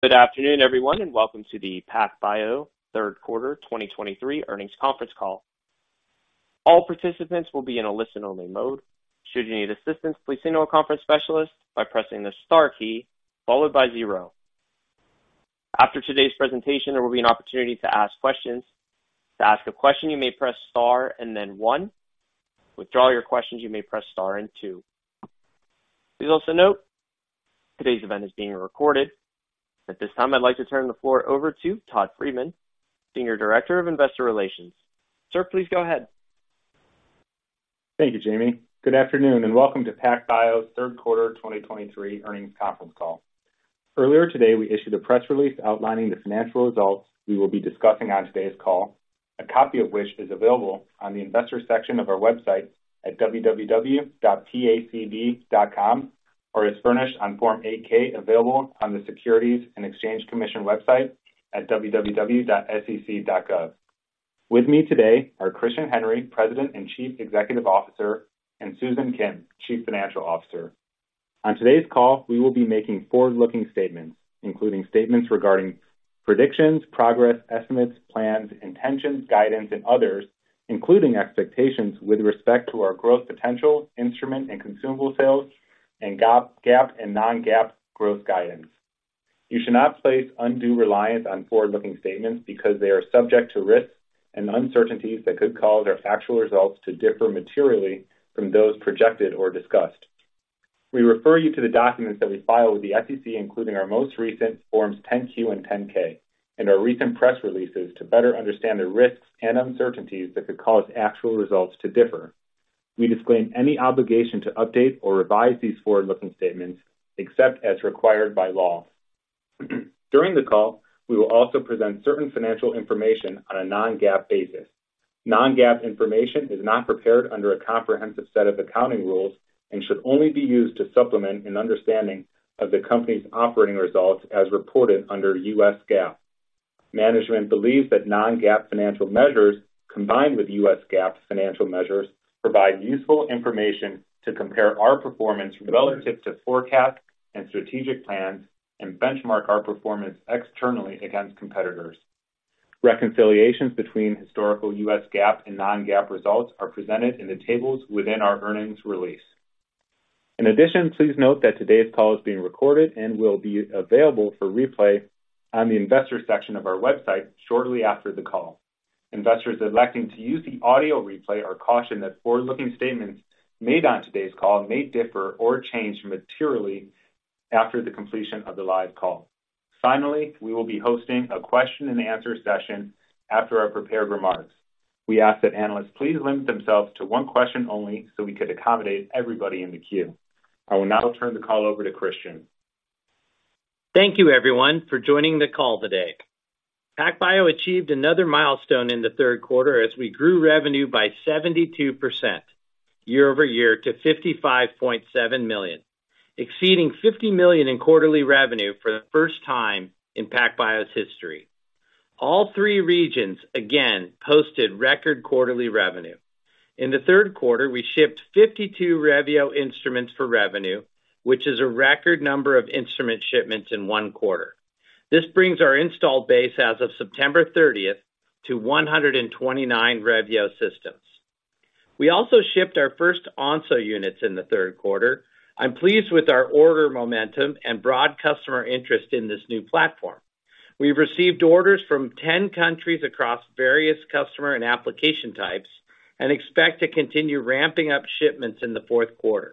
Good afternoon, everyone, and welcome to the PacBio Third Quarter 2023 Earnings Conference Call. All participants will be in a listen-only mode. Should you need assistance, please signal a conference specialist by pressing the Star key, followed by zero. After today's presentation, there will be an opportunity to ask questions. To ask a question, you may press Star and then one. To withdraw your questions, you may press Star and two. Please also note, today's event is being recorded. At this time, I'd like to turn the floor over to Todd Friedman, Senior Director of Investor Relations. Sir, please go ahead. Thank you, Jamie. Good afternoon, and welcome to PacBio's Third Quarter 2023 Earnings Conference Call. Earlier today, we issued a press release outlining the financial results we will be discussing on today's call, a copy of which is available on the investor section of our website at www.pacb.com, or is furnished on Form 8-K, available on the Securities and Exchange Commission website at www.sec.gov. With me today are Christian Henry, President and Chief Executive Officer, and Susan Kim, Chief Financial Officer. On today's call, we will be making forward-looking statements, including statements regarding predictions, progress, estimates, plans, intentions, guidance, and others, including expectations with respect to our growth potential, instrument, and consumable sales, and GAAP, GAAP and non-GAAP growth guidance. You should not place undue reliance on forward-looking statements because they are subject to risks and uncertainties that could cause our factual results to differ materially from those projected or discussed. We refer you to the documents that we file with the SEC, including our most recent Forms 10-Q and 10-K, and our recent press releases to better understand the risks and uncertainties that could cause actual results to differ. We disclaim any obligation to update or revise these forward-looking statements, except as required by law. During the call, we will also present certain financial information on a non-GAAP basis. Non-GAAP information is not prepared under a comprehensive set of accounting rules and should only be used to supplement an understanding of the company's operating results as reported under U.S. GAAP. Management believes that non-GAAP financial measures, combined with U.S. GAAP financial measures, provide useful information to compare our performance relative to forecasts and strategic plans and benchmark our performance externally against competitors. Reconciliations between historical U.S. GAAP and non-GAAP results are presented in the tables within our earnings release. In addition, please note that today's call is being recorded and will be available for replay on the Investors section of our website shortly after the call. Investors electing to use the audio replay are cautioned that forward-looking statements made on today's call may differ or change materially after the completion of the live call. Finally, we will be hosting a question-and-answer session after our prepared remarks. We ask that analysts please limit themselves to one question only, so we could accommodate everybody in the queue. I will now turn the call over to Christian. Thank you, everyone, for joining the call today. PacBio achieved another milestone in the Q3 as we grew revenue by 72% year-over-year to $55.7 million, exceeding $50 million in quarterly revenue for the first time in PacBio's history. All three regions, again, posted record quarterly revenue. In the Q3, we shipped 52 Revio instruments for revenue, which is a record number of instrument shipments in one quarter. This brings our installed base as of September 30th to 129 Revio systems. We also shipped our first Onso units in the Q3. I'm pleased with our order momentum and broad customer interest in this new platform. We've received orders from 10 countries across various customer and application types and expect to continue ramping up shipments in the Q4.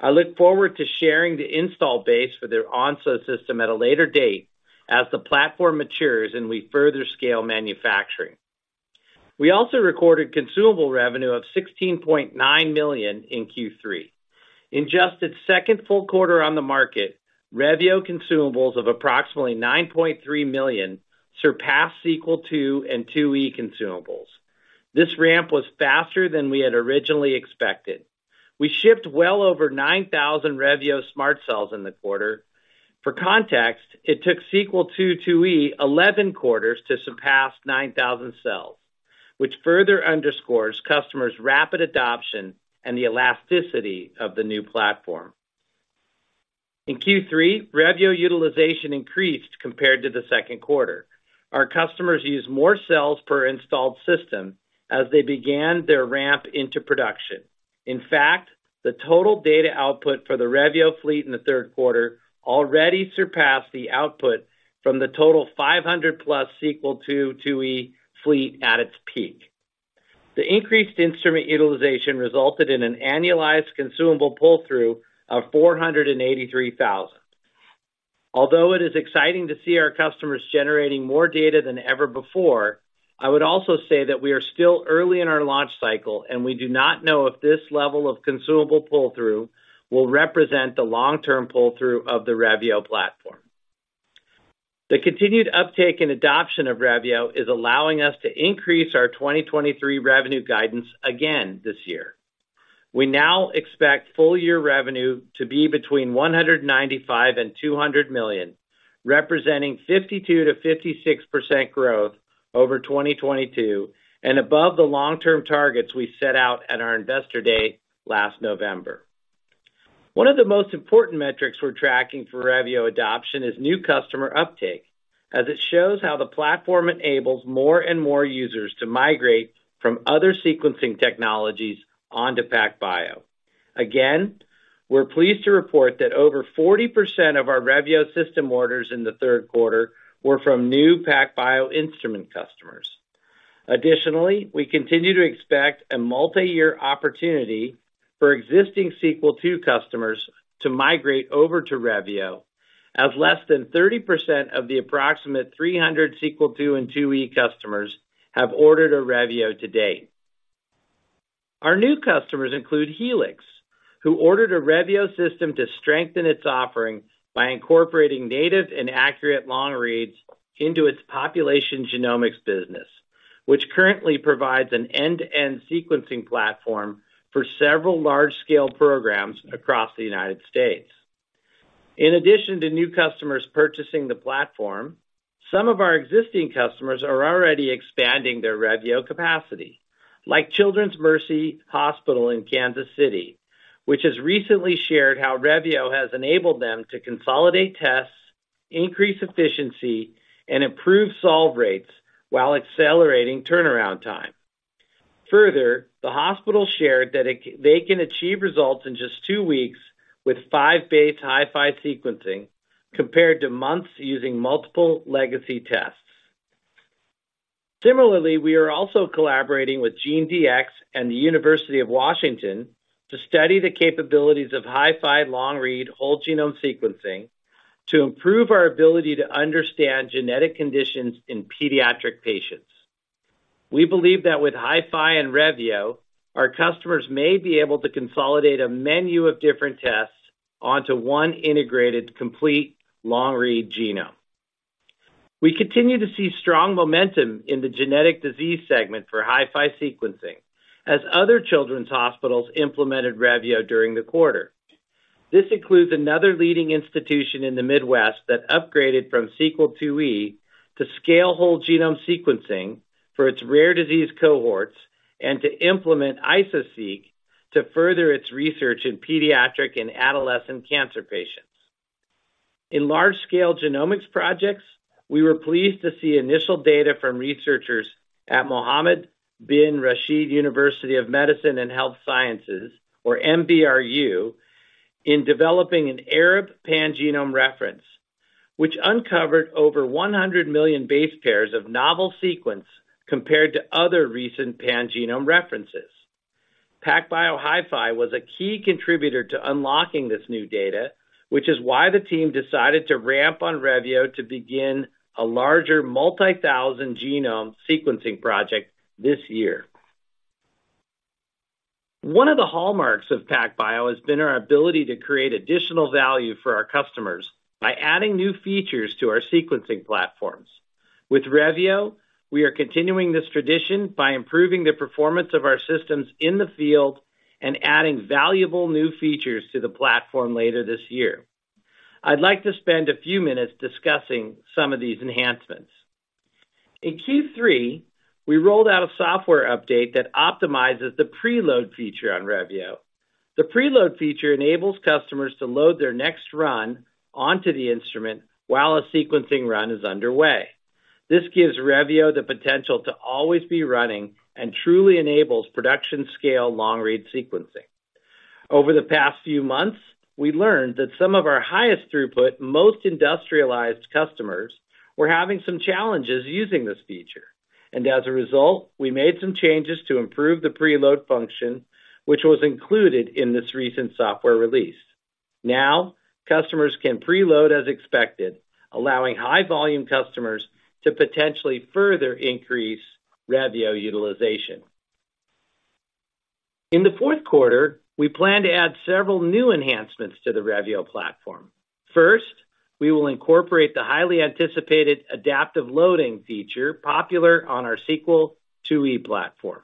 I look forward to sharing the install base for the Onso system at a later date as the platform matures and we further scale manufacturing. We also recorded consumable revenue of $16.9 million in Q3. In just its second full quarter on the market, Revio consumables of approximately $9.3 million surpassed Sequel II and IIe consumables. This ramp was faster than we had originally expected. We shipped well over 9,000 Revio SMRT Cells in the quarter. For context, it took Sequel II/IIe 11 quarters to surpass 9,000 cells, which further underscores customers' rapid adoption and the elasticity of the new platform. In Q3, Revio utilization increased compared to the Q2. Our customers used more cells per installed system as they began their ramp into production. In fact, the total data output for the Revio fleet in the Q3 already surpassed the output from the total 500+ Sequel II/IIe fleet at its peak. The increased instrument utilization resulted in an annualized consumable pull-through of $483,000. Although it is exciting to see our customers generating more data than ever before, I would also say that we are still early in our launch cycle, and we do not know if this level of consumable pull-through will represent the long-term pull-through of the Revio platform. The continued uptake and adoption of Revio is allowing us to increase our 2023 revenue guidance again this year. We now expect full year revenue to be between $195 million and $200 million, representing 52%-56% growth over 2022 and above the long-term targets we set out at our investor date last November. One of the most important metrics we're tracking for Revio adoption is new customer uptake, as it shows how the platform enables more and more users to migrate from other sequencing technologies onto PacBio. Again, we're pleased to report that over 40% of our Revio system orders in the Q3 were from new PacBio instrument customers. Additionally, we continue to expect a multi-year opportunity for existing Sequel II customers to migrate over to Revio, as less than 30% of the approximate 300 Sequel II and IIe customers have ordered a Revio to date. Our new customers include Helix, who ordered a Revio system to strengthen its offering by incorporating native and accurate long reads into its population genomics business, which currently provides an end-to-end sequencing platform for several large-scale programs across the United States. In addition to new customers purchasing the platform, some of our existing customers are already expanding their Revio capacity, like Children's Mercy Hospital in Kansas City, which has recently shared how Revio has enabled them to consolidate tests, increase efficiency, and improve solve rates while accelerating turnaround time. Further, the hospital shared that they can achieve results in just 2 weeks with 5-base HiFi sequencing, compared to months using multiple legacy tests. Similarly, we are also collaborating with GeneDx and the University of Washington to study the capabilities of HiFi long-read, whole genome sequencing, to improve our ability to understand genetic conditions in pediatric patients. We believe that with HiFi and Revio, our customers may be able to consolidate a menu of different tests onto one integrated, complete long-read genome. We continue to see strong momentum in the genetic disease segment for HiFi sequencing, as other children's hospitals implemented Revio during the quarter. This includes another leading institution in the Midwest that upgraded from Sequel IIe to scale whole genome sequencing for its rare disease cohorts, and to implement Iso-Seq to further its research in pediatric and adolescent cancer patients. In large-scale genomics projects, we were pleased to see initial data from researchers at Mohammed Bin Rashid University of Medicine and Health Sciences, or MBRU, in developing an Arab pangenome reference, which uncovered over 100 million base pairs of novel sequence compared to other recent pangenome references. PacBio HiFi was a key contributor to unlocking this new data, which is why the team decided to ramp on Revio to begin a larger multi-thousand genome sequencing project this year. One of the hallmarks of PacBio has been our ability to create additional value for our customers by adding new features to our sequencing platforms. With Revio, we are continuing this tradition by improving the performance of our systems in the field and adding valuable new features to the platform later this year. I'd like to spend a few minutes discussing some of these enhancements. In Q3, we rolled out a software update that optimizes the preload feature on Revio. The preload feature enables customers to load their next run onto the instrument while a sequencing run is underway. This gives Revio the potential to always be running and truly enables production-scale long-read sequencing. Over the past few months, we learned that some of our highest throughput, most industrialized customers, were having some challenges using this feature. As a result, we made some changes to improve the preload function, which was included in this recent software release. Now, customers can preload as expected, allowing high volume customers to potentially further increase Revio utilization. In the Q4, we plan to add several new enhancements to the Revio platform. First, we will incorporate the highly anticipated adaptive loading feature popular on our Sequel IIe platform.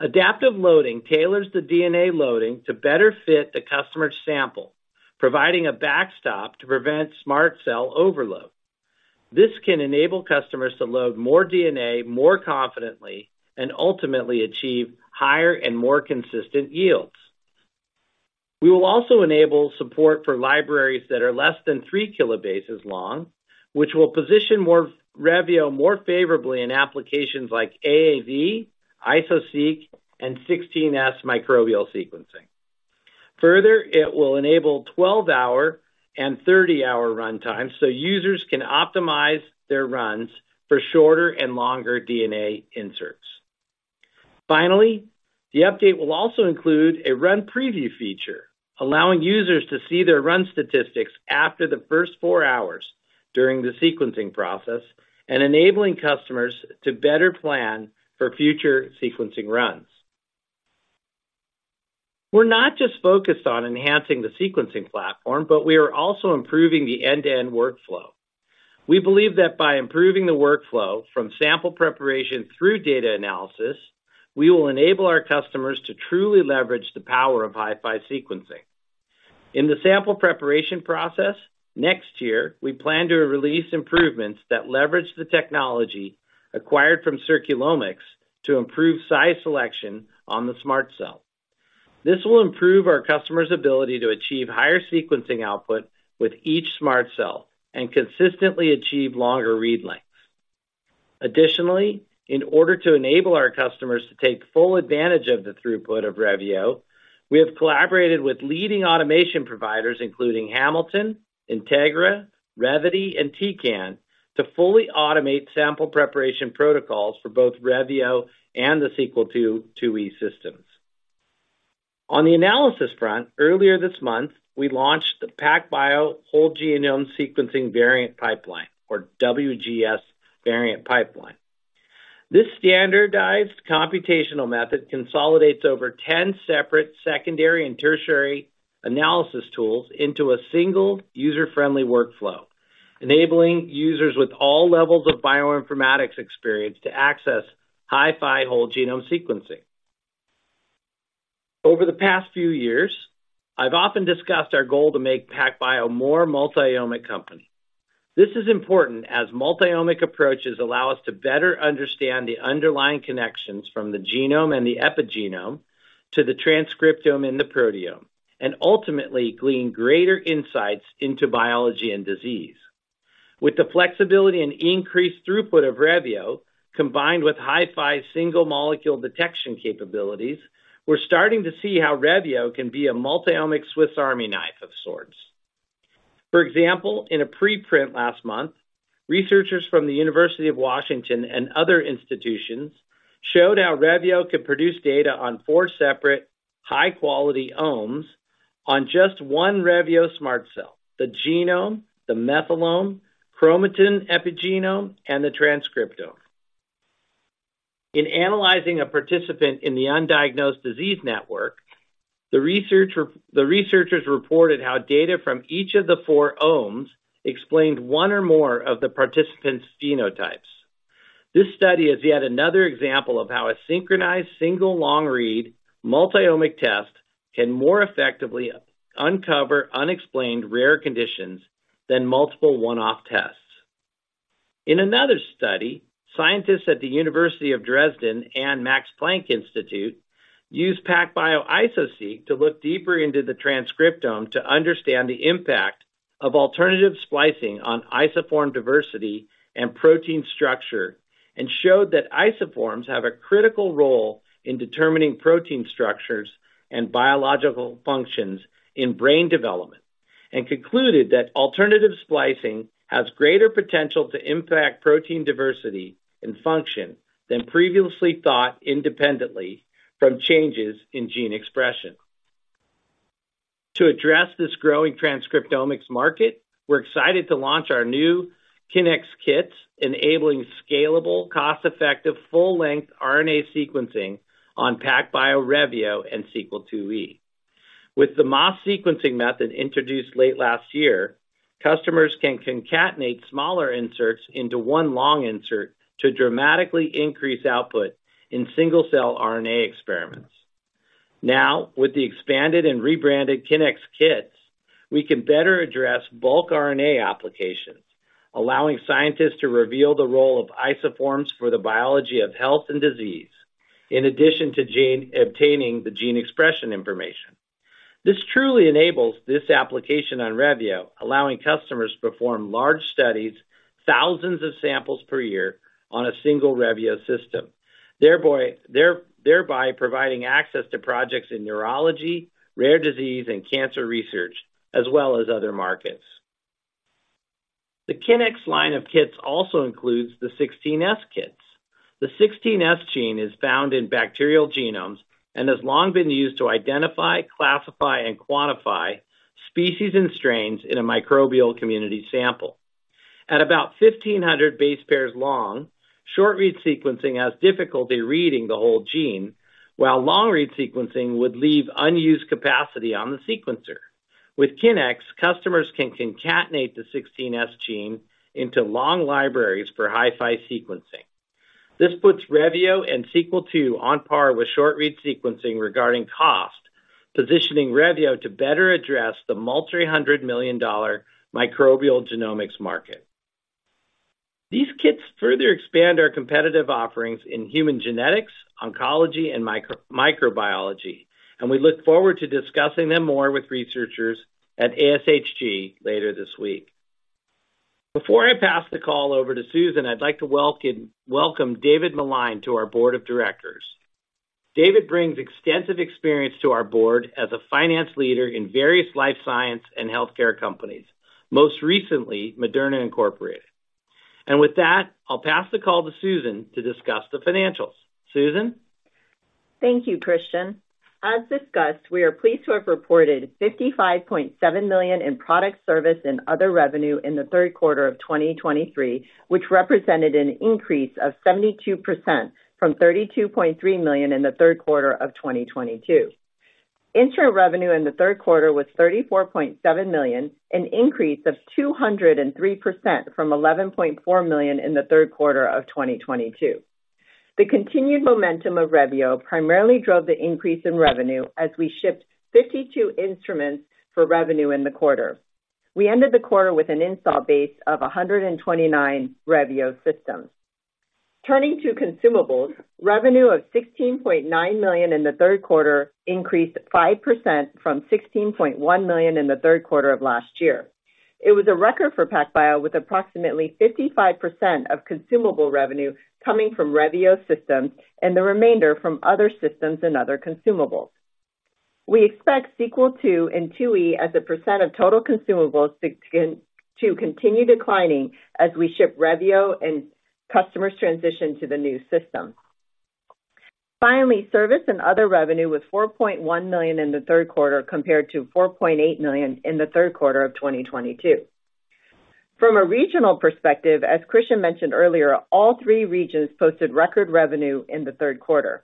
Adaptive loading tailors the DNA loading to better fit the customer's sample, providing a backstop to prevent SMRT Cell overload. This can enable customers to load more DNA, more confidently, and ultimately achieve higher and more consistent yields. We will also enable support for libraries that are less than 3 kilobases long, which will position Revio more favorably in applications like AAV, Iso-Seq, and 16S microbial sequencing. Further, it will enable 12-hour and 30-hour run times, so users can optimize their runs for shorter and longer DNA inserts. Finally, the update will also include a run preview feature, allowing users to see their run statistics after the first 4 hours during the sequencing process, and enabling customers to better plan for future sequencing runs. We're not just focused on enhancing the sequencing platform, but we are also improving the end-to-end workflow. We believe that by improving the workflow from sample preparation through data analysis, we will enable our customers to truly leverage the power of HiFi sequencing. In the sample preparation process, next year, we plan to release improvements that leverage the technology acquired from Circulomics to improve size selection on the SMRT Cell. This will improve our customers' ability to achieve higher sequencing output with each SMRT Cell, and consistently achieve longer read lengths. Additionally, in order to enable our customers to take full advantage of the throughput of Revio, we have collaborated with leading automation providers, including Hamilton, Integra, Revvity, and Tecan, to fully automate sample preparation protocols for both Revio and the Sequel II, IIe systems. On the analysis front, earlier this month, we launched the PacBio Whole Genome Sequencing Variant Pipeline, or WGS Variant Pipeline. This standardized computational method consolidates over 10 separate secondary and tertiary analysis tools into a single user-friendly workflow, enabling users with all levels of bioinformatics experience to access HiFi whole genome sequencing. Over the past few years, I've often discussed our goal to make PacBio a more multi-omic company. This is important, as multi-omic approaches allow us to better understand the underlying connections from the genome and the epigenome to the transcriptome and the proteome, and ultimately glean greater insights into biology and disease. With the flexibility and increased throughput of Revio, combined with HiFi's single molecule detection capabilities, we're starting to see how Revio can be a multi-omic Swiss Army knife of-sorts. For example, in a preprint last month, researchers from the University of Washington and other institutions showed how Revio could produce data on four separate high-quality omes on just one Revio SMRT Cell: the genome, the methylome, chromatin epigenome, and the transcriptome. In analyzing a participant in the Undiagnosed Diseases Network, the researchers reported how data from each of the four omes explained one or more of the participant's genotypes. This study is yet another example of how a synchronized, single long-read, multi-omic test can more effectively uncover unexplained rare conditions than multiple one-off tests. In another study, scientists at the University of Dresden and Max Planck Institute used PacBio Iso-Seq to look deeper into the transcriptome to understand the impact of alternative splicing on isoform diversity and protein structure, and showed that isoforms have a critical role in determining protein structures and biological functions in brain development, and concluded that alternative splicing has greater potential to impact protein diversity and function than previously thought, independently from changes in gene expression. To address this growing transcriptomics market, we're excited to launch our new Kinnex kits, enabling scalable, cost-effective, full-length RNA sequencing on PacBio Revio and Sequel IIe. With the MAS-Seq sequencing method introduced late last year, customers can concatenate smaller inserts into one long insert to dramatically increase output in single-cell RNA experiments. Now, with the expanded and rebranded Kinnex kits, we can better address bulk RNA applications, allowing scientists to reveal the role of isoforms for the biology of health and disease, in addition to obtaining the gene expression information. This truly enables this application on Revio, allowing customers to perform large studies, thousands of samples per year, on a single Revio system, thereby providing access to projects in neurology, rare disease, and cancer research, as well as other markets. The Kinnex line of kits also includes the 16S kits. The 16S gene is found in bacterial genomes and has long been used to identify, classify, and quantify species and strains in a microbial community sample. At about 1,500 base pairs long, short-read sequencing has difficulty reading the whole gene, while long-read sequencing would leave unused capacity on the sequencer. With Kinnex, customers can concatenate the 16S gene into long libraries for HiFi sequencing. This puts Revio and Sequel II on par with short-read sequencing regarding cost, positioning Revio to better address the $multi-hundred million microbial genomics market. These kits further expand our competitive offerings in human genetics, oncology, and microbiology, and we look forward to discussing them more with researchers at ASHG later this week. Before I pass the call over to Susan, I'd like to welcome David Meline to our board of directors. David brings extensive experience to our board as a finance leader in various life science and healthcare companies, most recently, Moderna, Inc, and with that, I'll pass the call to Susan to discuss the financials. Susan? Thank you, Christian. As discussed, we are pleased to have reported $55.7 million in product service and other revenue in the Q3 of 2023, which represented an increase of 72% from $32.3 million in the Q3 of 2022. Instrument revenue in the Q3 was $34.7 million, an increase of 203% from $11.4 million in the Q3 of 2022. The continued momentum of Revio primarily drove the increase in revenue as we shipped 52 instruments for revenue in the quarter. We ended the quarter with an installed base of 129 Revio systems. Turning to consumables, revenue of $16.9 million in the Q3 increased 5% from $16.1 million in the Q3 of last year. It was a record for PacBio, with approximately 55% of consumable revenue coming from Revio systems and the remainder from other systems and other consumables. We expect Sequel II and IIe as a percent of total consumables to continue declining as we ship Revio and customers transition to the new system. Finally, service and other revenue was $4.1 million in the Q3, compared to $4.8 million in the Q3 of 2022. From a regional perspective, as Christian mentioned earlier, all three regions posted record revenue in the Q3.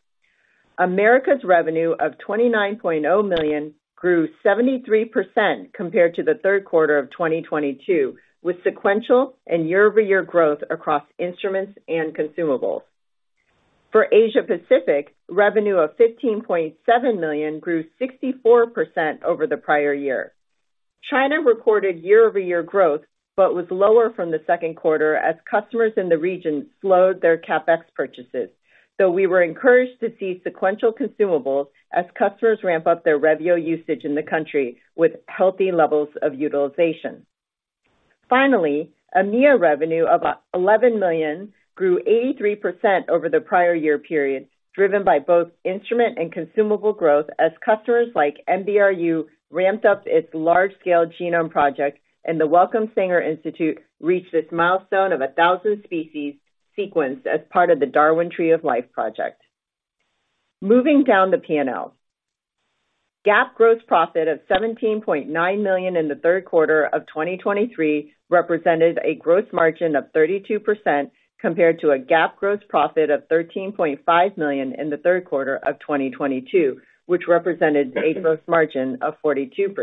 America's revenue of $29.0 million grew 73% compared to the Q3 of 2022, with sequential and year-over-year growth across instruments and consumables. For Asia Pacific, revenue of $15.7 million grew 64% over the prior year. China recorded year-over-year growth, but was lower from the Q2 as customers in the region slowed their CapEx purchases, though we were encouraged to see sequential consumables as customers ramp up their Revio usage in the country, with healthy levels of utilization. Finally, EMEA revenue of $11 million grew 83% over the prior year period, driven by both instrument and consumable growth, as customers like MBRU ramped up its large-scale genome project, and the Wellcome Sanger Institute reached its milestone of 1,000 species sequenced as part of the Darwin Tree of Life Project. Moving down the P&L. GAAP gross profit of $17.9 million in the Q3 of 2023 represented a gross margin of 32%, compared to a GAAP gross profit of $13.5 million in the Q3 of 2022, which represented a gross margin of 42%.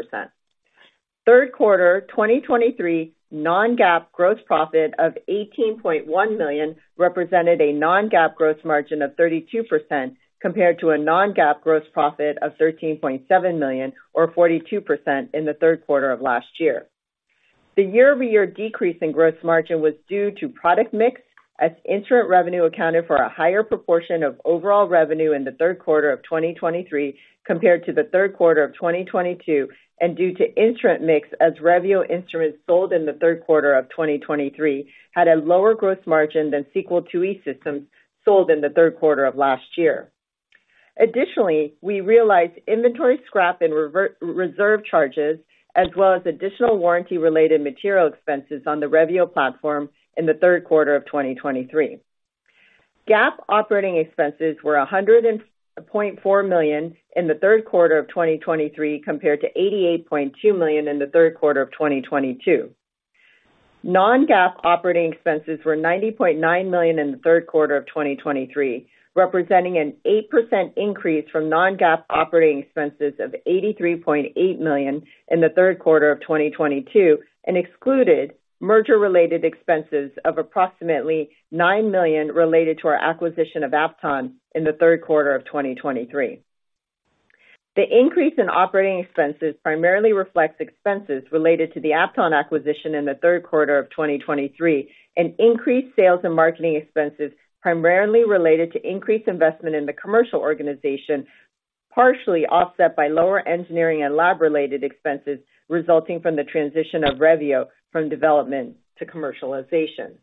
Third quarter, 2023, non-GAAP gross profit of $18.1 million represented a non-GAAP gross margin of 32%, compared to a non-GAAP gross profit of $13.7 million, or 42%, in the Q3 of last year. The year-over-year decrease in gross margin was due to product mix, as instrument revenue accounted for a higher proportion of overall revenue in the Q3 of 2023, compared to the Q3 of 2022, and due to instrument mix, as Revio instruments sold in the Q3 of 2023 had a lower gross margin than Sequel IIe systems sold in the Q3 of last year. Additionally, we realized inventory scrap and reserve charges, as well as additional warranty-related material expenses on the Revio platform in the Q3 of 2023. GAAP operating expenses were $100.4 million in the Q3 of 2023, compared to $88.2 million in the Q3 of 2022. Non-GAAP operating expenses were $90.9 million in the Q3 of 2023, representing an 8% increase from non-GAAP operating expenses of $83.8 million in the Q3 of 2022, and excluded merger-related expenses of approximately $9 million related to our acquisition of Apton in the Q3 of 2023. The increase in operating expenses primarily reflects expenses related to the Apton acquisition in the Q3 of 2023, and increased sales and marketing expenses, primarily related to increased investment in the commercial organization, partially offset by lower engineering and lab-related expenses, resulting from the transition of Revio from development to commercialization.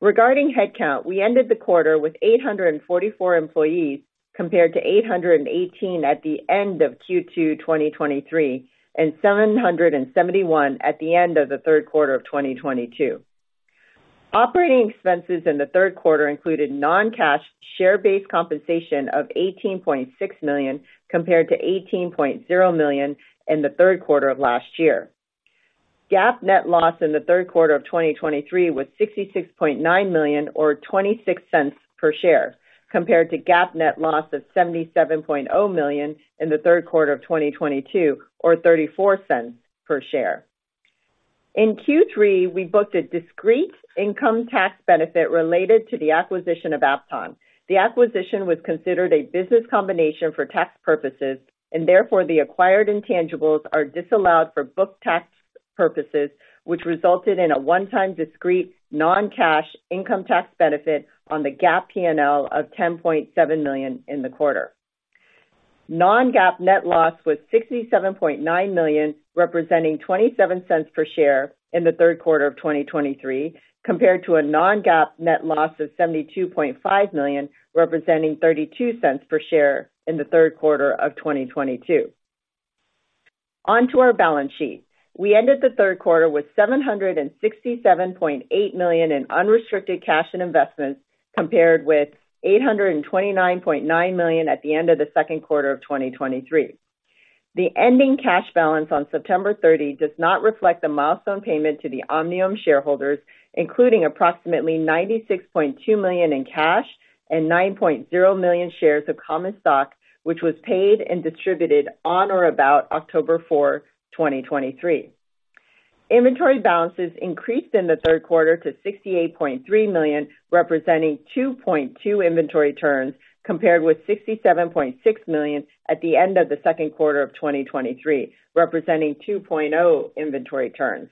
Regarding headcount, we ended the quarter with 844 employees, compared to 818 at the end of Q2 2023, and 771 at the end of the Q3 of 2022. Operating expenses in the Q3 included non-cash, share-based compensation of $18.6 million, compared to $18.0 million in the Q3 of last year. GAAP net loss in the Q3 of 2023 was $66.9 million, or $0.26 per share, compared to GAAP net loss of $77.0 million in the Q3 of 2022, or $0.34 per share. In Q3, we booked a discrete income tax benefit related to the acquisition of Apton. The acquisition was considered a business combination for tax purposes, and therefore the acquired intangibles are disallowed for book tax purposes, which resulted in a one-time, discrete, non-cash income tax benefit on the GAAP P&L of $10.7 million in the quarter. Non-GAAP net loss was $67.9 million, representing $0.27 per share in the Q3 of 2023, compared to a non-GAAP net loss of $72.5 million, representing $0.32 per share in the Q3 of 2022. On to our balance sheet. We ended the Q3 with $767.8 million in unrestricted cash and investments, compared with $829.9 million at the end of the Q2 of 2023. The ending cash balance on September 30 does not reflect the milestone payment to the Omniome shareholders, including approximately $96.2 million in cash and 9.0 million shares of common stock, which was paid and distributed on or about October 4, 2023. Inventory balances increased in the Q3 to $68.3 million, representing 2.2 inventory turns, compared with $67.6 million at the end of the Q2 of 2023, representing 2.0 inventory turns.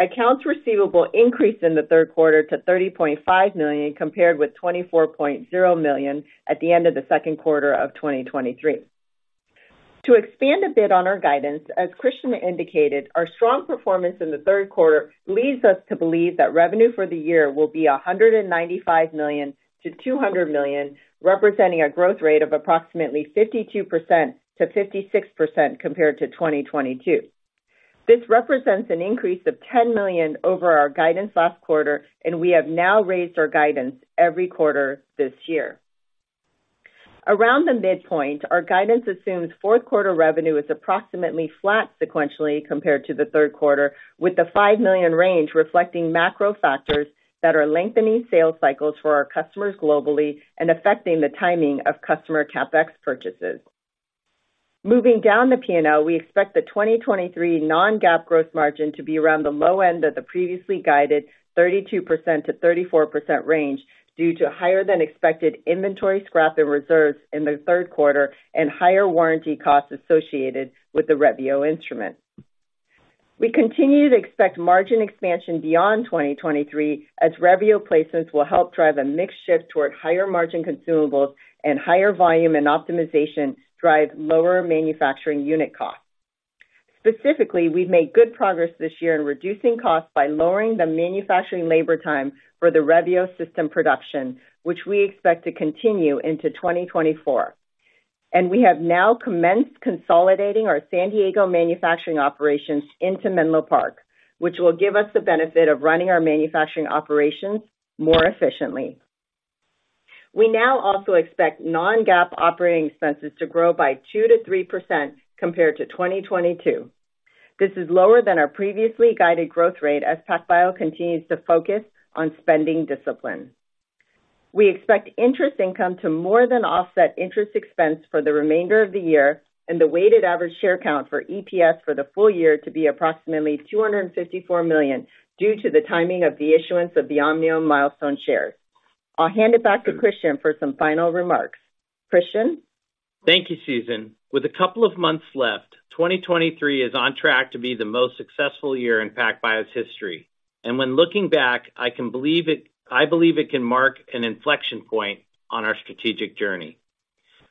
Accounts receivable increased in the Q3 to $30.5 million, compared with $24.0 million at the end of the Q2 of 2023. To expand a bit on our guidance, as Christian indicated, our strong performance in the Q3 leads us to believe that revenue for the year will be $195 million-$200 million, representing a growth rate of approximately 52%-56% compared to 2022. This represents an increase of $10 million over our guidance last quarter, and we have now raised our guidance every quarter this year. Around the midpoint, our guidance assumes Q4 revenue is approximately flat sequentially compared to the Q3, with the $5 million range reflecting macro factors that are lengthening sales cycles for our customers globally and affecting the timing of customer CapEx purchases. Moving down the P&L, we expect the 2023 non-GAAP gross margin to be around the low end of the previously guided 32%-34% range, due to higher than expected inventory scrap and reserves in the Q3 and higher warranty costs associated with the Revio instrument. We continue to expect margin expansion beyond 2023, as Revio placements will help drive a mix shift toward higher margin consumables and higher volume and optimization drive lower manufacturing unit costs. Specifically, we've made good progress this year in reducing costs by lowering the manufacturing labor time for the Revio system production, which we expect to continue into 2024. We have now commenced consolidating our San Diego manufacturing operations into Menlo Park, which will give us the benefit of running our manufacturing operations more efficiently. We now also expect non-GAAP operating expenses to grow by 2%-3% compared to 2022. This is lower than our previously guided growth rate, as PacBio continues to focus on spending discipline. We expect interest income to more than offset interest expense for the remainder of the year, and the weighted average share count for EPS for the full year to be approximately 254 million, due to the timing of the issuance of the Omniome milestone shares. I'll hand it back to Christian for some final remarks. Christian? Thank you, Susan. With a couple of months left, 2023 is on track to be the most successful year in PacBio's history. When looking back, I can believe it- I believe it can mark an inflection point on our strategic journey.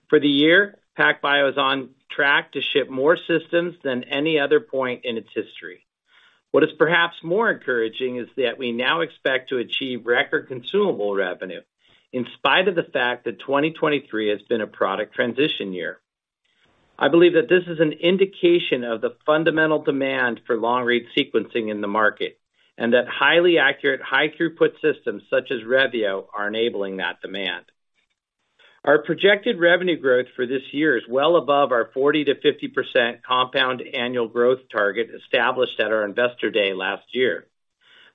For the year, PacBio is on track to ship more systems than any other point in its history. What is perhaps more encouraging is that we now expect to achieve record consumable revenue, in spite of the fact that 2023 has been a product transition year. I believe that this is an indication of the fundamental demand for long-read sequencing in the market, and that highly accurate, high throughput systems such as Revio are enabling that demand. Our projected revenue growth for this year is well above our 40%-50% compound annual growth target established at our Investor Day last year.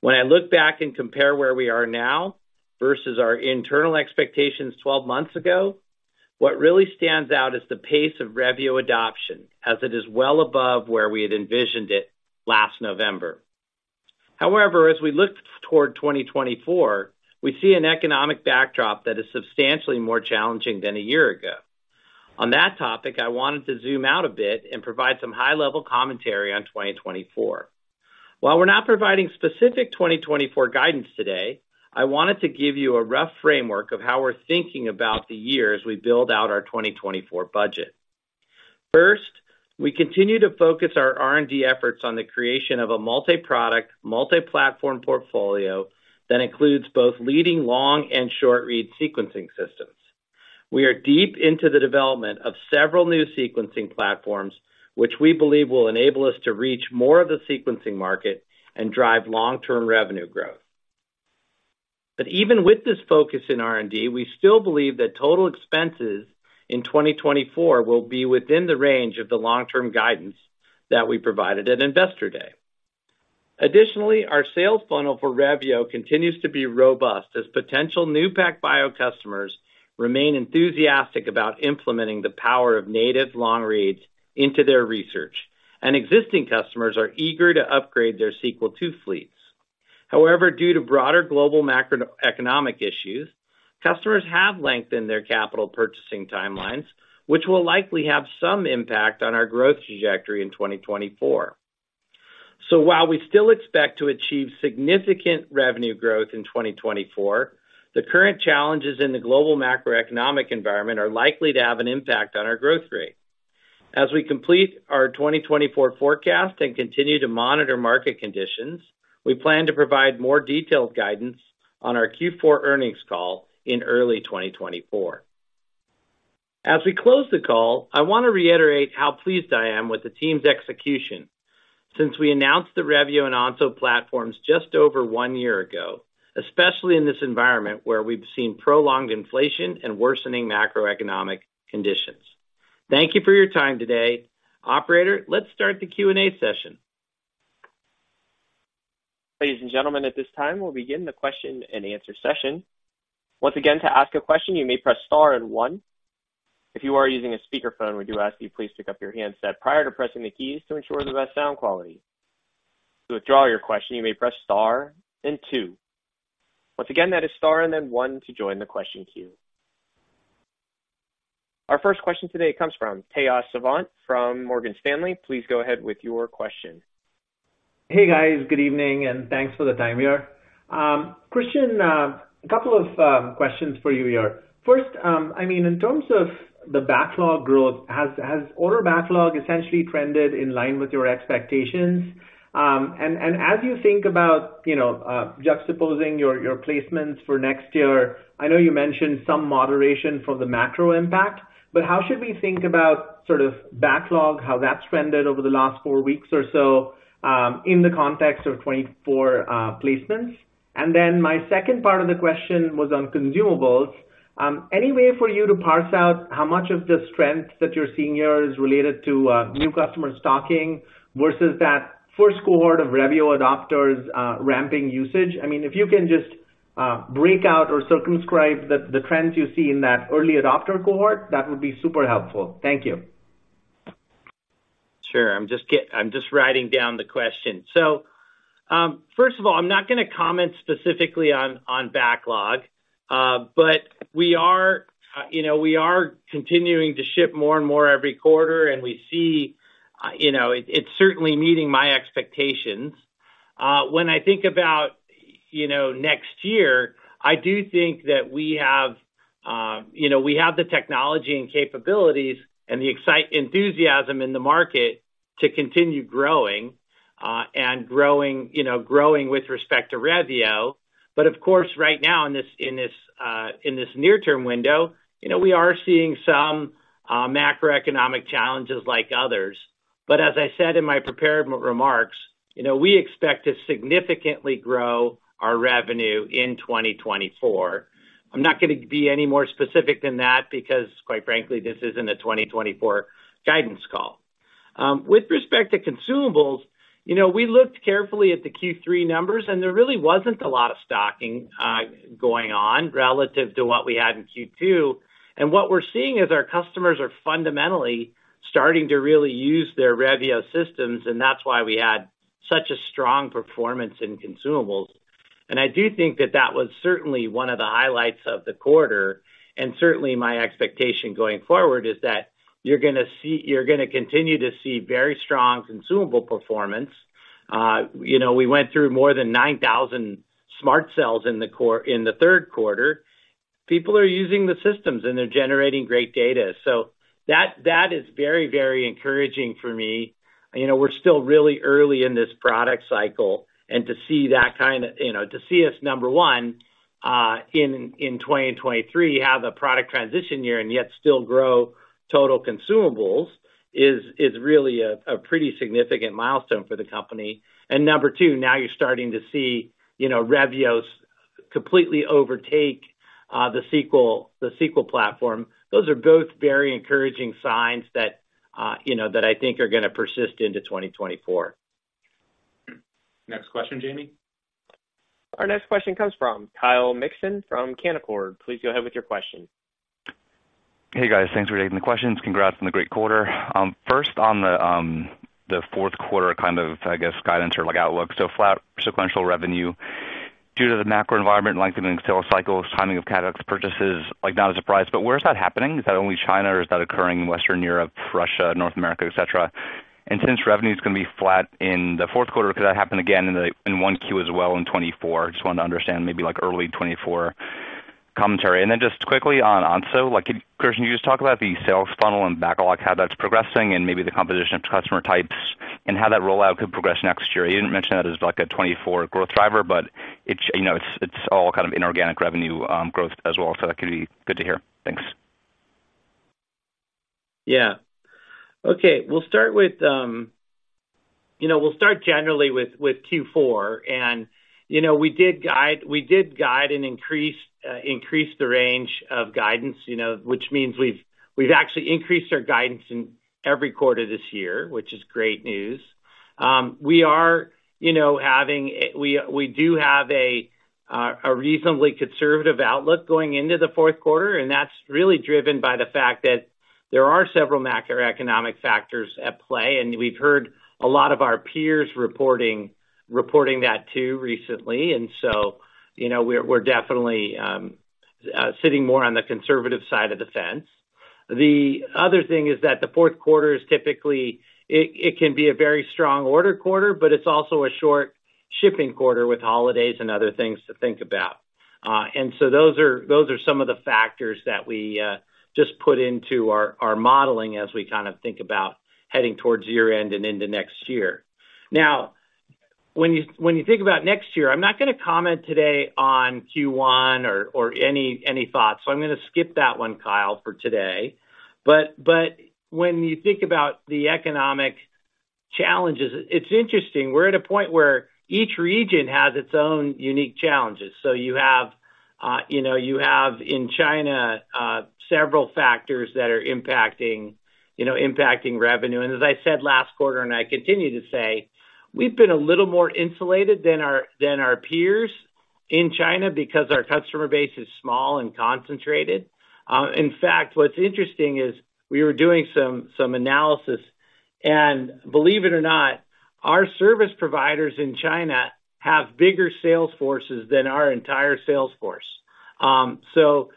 When I look back and compare where we are now versus our internal expectations 12 months ago, what really stands out is the pace of Revio adoption, as it is well above where we had envisioned it last November. However, as we look toward 2024, we see an economic backdrop that is substantially more challenging than a year ago. On that topic, I wanted to zoom out a bit and provide some high-level commentary on 2024. While we're not providing specific 2024 guidance today, I wanted to give you a rough framework of how we're thinking about the year as we build out our 2024 budget. First, we continue to focus our R&D efforts on the creation of a multi-product, multi-platform portfolio that includes both leading long and short-read sequencing systems. We are deep into the development of several new sequencing platforms, which we believe will enable us to reach more of the sequencing market and drive long-term revenue growth. But even with this focus in R&D, we still believe that total expenses in 2024 will be within the range of the long-term guidance that we provided at Investor Day. Additionally, our sales funnel for Revio continues to be robust, as potential new PacBio customers remain enthusiastic about implementing the power of native long reads into their research, and existing customers are eager to upgrade their Sequel II fleets. However, due to broader global macroeconomic issues, customers have lengthened their capital purchasing timelines, which will likely have some impact on our growth trajectory in 2024. So while we still expect to achieve significant revenue growth in 2024, the current challenges in the global macroeconomic environment are likely to have an impact on our growth rate. As we complete our 2024 forecast and continue to monitor market conditions, we plan to provide more detailed guidance on our Q4 earnings call in early 2024. As we close the call, I want to reiterate how pleased I am with the team's execution since we announced the Revio and Onso platforms just over one year ago, especially in this environment, where we've seen prolonged inflation and worsening macroeconomic conditions. Thank you for your time today. Operator, let's start the Q&A session. Ladies and gentlemen, at this time, we'll begin the Q&A session. Once again, to ask a question, you may press star and one. If you are using a speakerphone, we do ask you please pick up your handset prior to pressing the keys to ensure the best sound quality. To withdraw your question, you may press star and two. Once again, that is star and then one to join the question queue. Our first question today comes from Tejas Savant from Morgan Stanley. Please go ahead with your question. Hey, guys. Good evening, and thanks for the time here. Christian, a couple of questions for you here. First, I mean, in terms of the backlog growth, has order backlog essentially trended in line with your expectations? And as you think about, you know, juxtaposing your placements for next year, I know you mentioned some moderation from the macro impact, but how should we think about sort of backlog, how that's trended over the last four weeks or so, in the context of '24 placements? And then my second part of the question was on consumables. Any way for you to parse out how much of the strength that you're seeing here is related to new customer stocking versus that first cohort of Revio adopters ramping usage? I mean, if you can just break out or circumscribe the trends you see in that early adopter cohort, that would be super helpful. Thank you. Sure. I'm just writing down the question. So, first of all, I'm not gonna comment specifically on backlog. But we are, you know, we are continuing to ship more and more every quarter, and we see, you know, it, it's certainly meeting my expectations. When I think about, you know, next year, I do think that we have, you know, we have the technology and capabilities and the enthusiasm in the market to continue growing, and growing, you know, growing with respect to Revio. But of course, right now, in this near-term window, you know, we are seeing some macroeconomic challenges like others. But as I said in my prepared remarks, you know, we expect to significantly grow our revenue in 2024. I'm not gonna be any more specific than that because, quite frankly, this isn't a 2024 guidance call. With respect to consumables, you know, we looked carefully at the Q3 numbers, and there really wasn't a lot of stocking going on relative to what we had in Q2. What we're seeing is our customers are fundamentally starting to really use their Revio systems, and that's why we had such a strong performance in consumables. I do think that that was certainly one of the highlights of the quarter, and certainly my expectation going forward is that you're gonna continue to see very strong consumable performance. You know, we went through more than 9,000 SMRT Cells in the Q3. People are using the systems, and they're generating great data. That is very, very encouraging for me. You know, we're still really early in this product cycle, and to see that kind of- you know, to see us, number one, in 2023, have a product transition year and yet still grow total consumables, is really a pretty significant milestone for the company. And number two, now you're starting to see, you know, Revios completely overtake the Sequel- the Sequel platform. Those are both very encouraging signs that, you know, that I think are gonna persist into 2024. Next question, Jamie? Our next question comes from Kyle Mikson from Canaccord. Please go ahead with your question. Hey, guys, thanks for taking the questions. Congrats on the great quarter. First, on the Q4, kind of, I guess, guidance or, like, outlook. So flat sequential revenue due to the macro environment, lengthening sales cycles, timing of CapEx purchases, like, not a surprise, but where is that happening? Is that only China or is that occurring in Western Europe, Russia, North America, et cetera? And since revenue is gonna be flat in the Q4, could that happen again in 1Q as well in '24? I just wanted to understand maybe, like, early '24 commentary. And then just quickly on, so like, Christian, you just talk about the sales funnel and backlog, how that's progressing and maybe the composition of customer types and how that rollout could progress next year. You didn't mention that as, like, a 24 growth driver, but it, you know, it's, it's all kind of inorganic revenue, growth as well, so that could be good to hear. Thanks. Yeah. Okay, we'll start with, you know, we'll start generally with, with Q4. And, you know, we did guide, we did guide and increase, increase the range of guidance, you know, which means we've, we've actually increased our guidance in every quarter this year, which is great news. We are, you know. We, we do have a, a reasonably conservative outlook going into the Q4, and that's really driven by the fact that there are several macroeconomic factors at play, and we've heard a lot of our peers reporting, reporting that too recently. And so, you know, we're, we're definitely, sitting more on the conservative side of the fence. The other thing is that the Q4 is typically a very strong order quarter, but it's also a short shipping quarter with holidays and other things to think about. And so those are some of the factors that we just put into our modeling as we kind of think about heading towards year-end and into next year. Now, when you think about next year, I'm not gonna comment today on Q1 or any thoughts, so I'm gonna skip that one, Kyle, for today. But when you think about the economic challenges, it's interesting. We're at a point where each region has its own unique challenges, so you know, you have in China several factors that are impacting, you know, impacting revenue. As I said last quarter, and I continue to say, we've been a little more insulated than our peers in China because our customer base is small and concentrated. In fact, what's interesting is we were doing some analysis, and believe it or not, our service providers in China have bigger sales forces than our entire sales force. So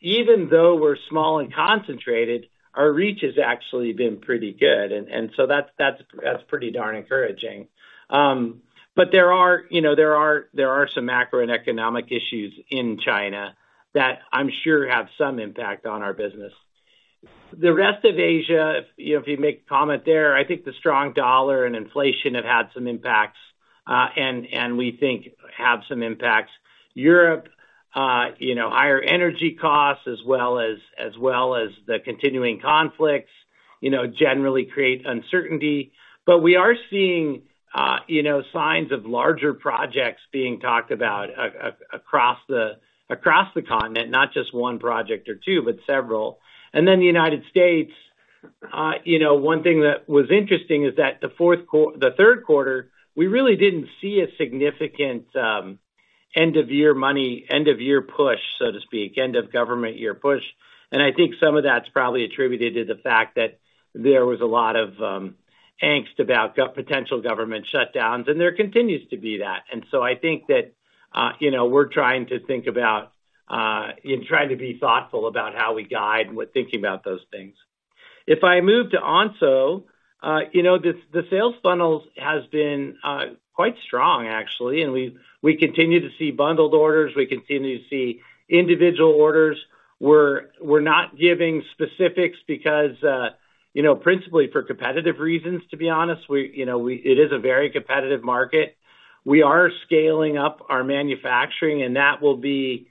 even though we're small and concentrated, our reach has actually been pretty good, and so that's pretty darn encouraging. But there are, you know, there are some macroeconomic issues in China that I'm sure have some impact on our business. The rest of Asia, if you know, if you make a comment there, I think the strong US dollar and inflation have had some impacts, and we think have some impacts. Europe, you know, higher energy costs as well as the continuing conflicts, you know, generally create uncertainty. But we are seeing, you know, signs of larger projects being talked about across the continent, not just one project or two, but several. And then the United States, you know, one thing that was interesting is that the Q3, we really didn't see a significant end-of-year money, end-of-year push, so to speak, end of government year push. And I think some of that's probably attributed to the fact that there was a lot of angst about potential government shutdowns, and there continues to be that. And so I think that, you know, we're trying to think about and trying to be thoughtful about how we guide when thinking about those things. If I move to Onso, you know, the sales funnels has been quite strong, actually, and we continue to see bundled orders, we continue to see individual orders. We're not giving specifics because, you know, principally for competitive reasons, to be honest. We, you know, it is a very competitive market. We are scaling up our manufacturing, and that will be,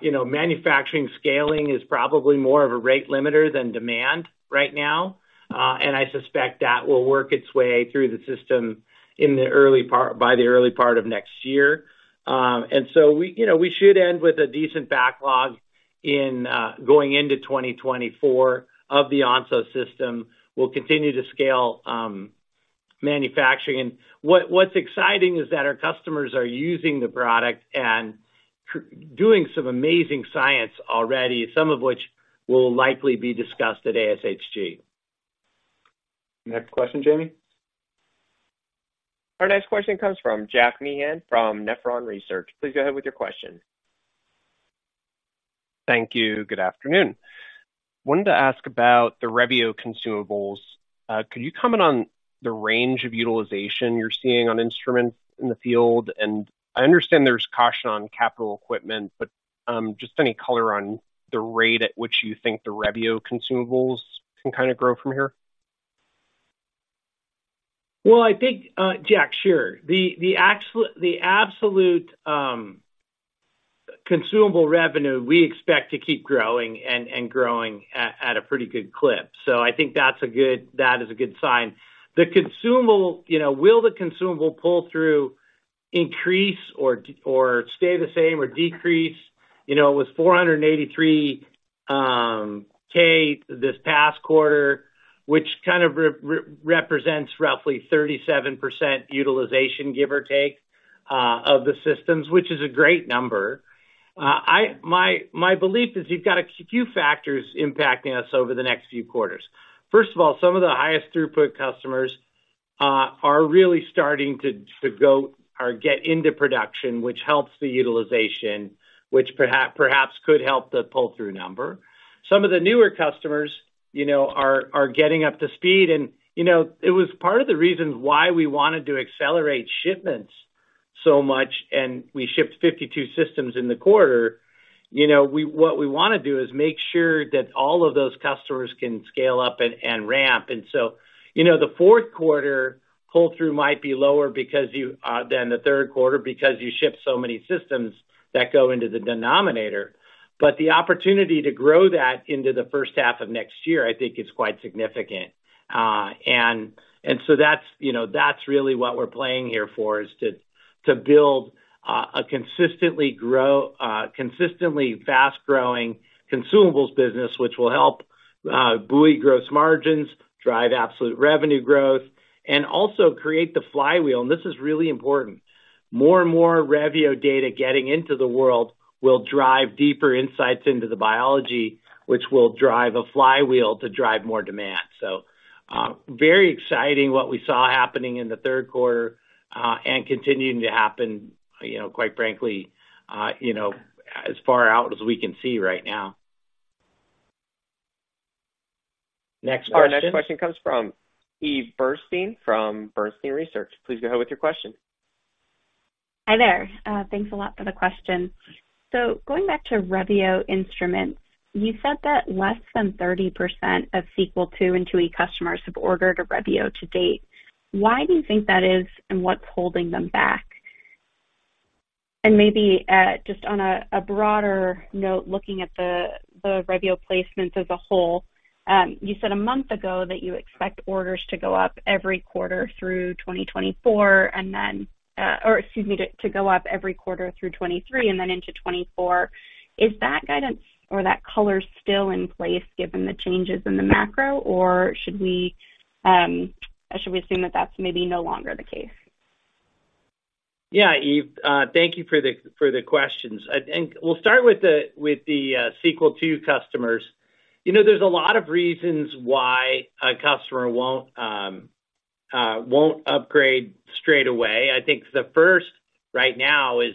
you know, manufacturing scaling is probably more of a rate limiter than demand right now. And I suspect that will work its way through the system in the early part, by the early part of next year. And so we, you know, we should end with a decent backlog in, going into 2024 of the Onso system. We'll continue to scale manufacturing. What's exciting is that our customers are using the product and doing some amazing science already, some of which will likely be discussed at ASHG. Next question, Jamie. Our next question comes from Jack Meehan from Nephron Research. Please go ahead with your question. Thank you. Good afternoon. Wanted to ask about the Revio consumables. Could you comment on the range of utilization you're seeing on instruments in the field? And I understand there's caution on capital equipment, but just any color on the rate at which you think the Revio consumables can kind of grow from here? Well, I think, Jack, sure. The absolute consumable revenue, we expect to keep growing and growing at a pretty good clip. I think that's a good, that is a good sign. The consumable, you know, will the consumable pull-through increase or stay the same or decrease? You know, it was $483,000 this past quarter, which kind of represents roughly 37% utilization, give or take, of the systems, which is a great number. I- my belief is you've got a few factors impacting us over the next few quarters. First of all, some of the highest throughput customers are really starting to go or get into production, which helps the utilization, which perhaps, perhaps could help the pull-through number. Some of the newer customers, you know, are getting up to speed, and, you know, it was part of the reason why we wanted to accelerate shipments so much, and we shipped 52 systems in the quarter. You know, what we wanna do is make sure that all of those customers can scale up and ramp. And so, you know, the Q4 pull-through might be lower than the Q3, because you ship so many systems that go into the denominator. But the opportunity to grow that into the first half of next year, I think is quite significant. And so that's, you know, that's really what we're playing here for, is to build a consistently fast-growing consumables business, which will help buoy gross margins, drive absolute revenue growth, and also create the flywheel, and this is really important. More and more Revio data getting into the world will drive deeper insights into the biology, which will drive a flywheel to drive more demand. So, very exciting what we saw happening in the Q3, and continuing to happen, you know, quite frankly, you know, as far out as we can see right now. Next question? Our next question comes from Eve Burstein from Bernstein Research. Please go ahead with your question. Hi there, thanks a lot for the question. So going back to Revio instruments, you said that less than 30% of Sequel II and IIe customers have ordered a Revio to date. Why do you think that is, and what's holding them back? And maybe, just on a broader note, looking at the Revio placements as a whole, you said a month ago that you expect orders to go up every quarter through 2024, and then, or excuse me, to go up every quarter through 2023 and then into 2024. Is that guidance or that color still in place, given the changes in the macro, or should we assume that that's maybe no longer the case? Yeah, Eve, thank you for the questions. I think we'll start with the Sequel II customers. You know, there's a lot of reasons why a customer won't upgrade straight away. I think the first, right now, is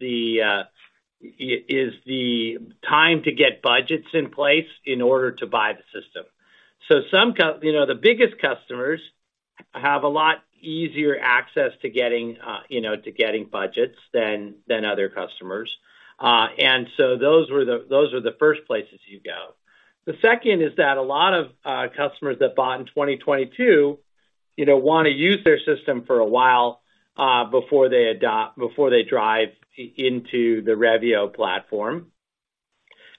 the time to get budgets in place in order to buy the system. So you know, the biggest customers have a lot easier access to getting, you know, to getting budgets than other customers. And so those are the first places you go. The second is that a lot of customers that bought in 2022, you know, want to use their system for a while before they drive it into the Revio platform.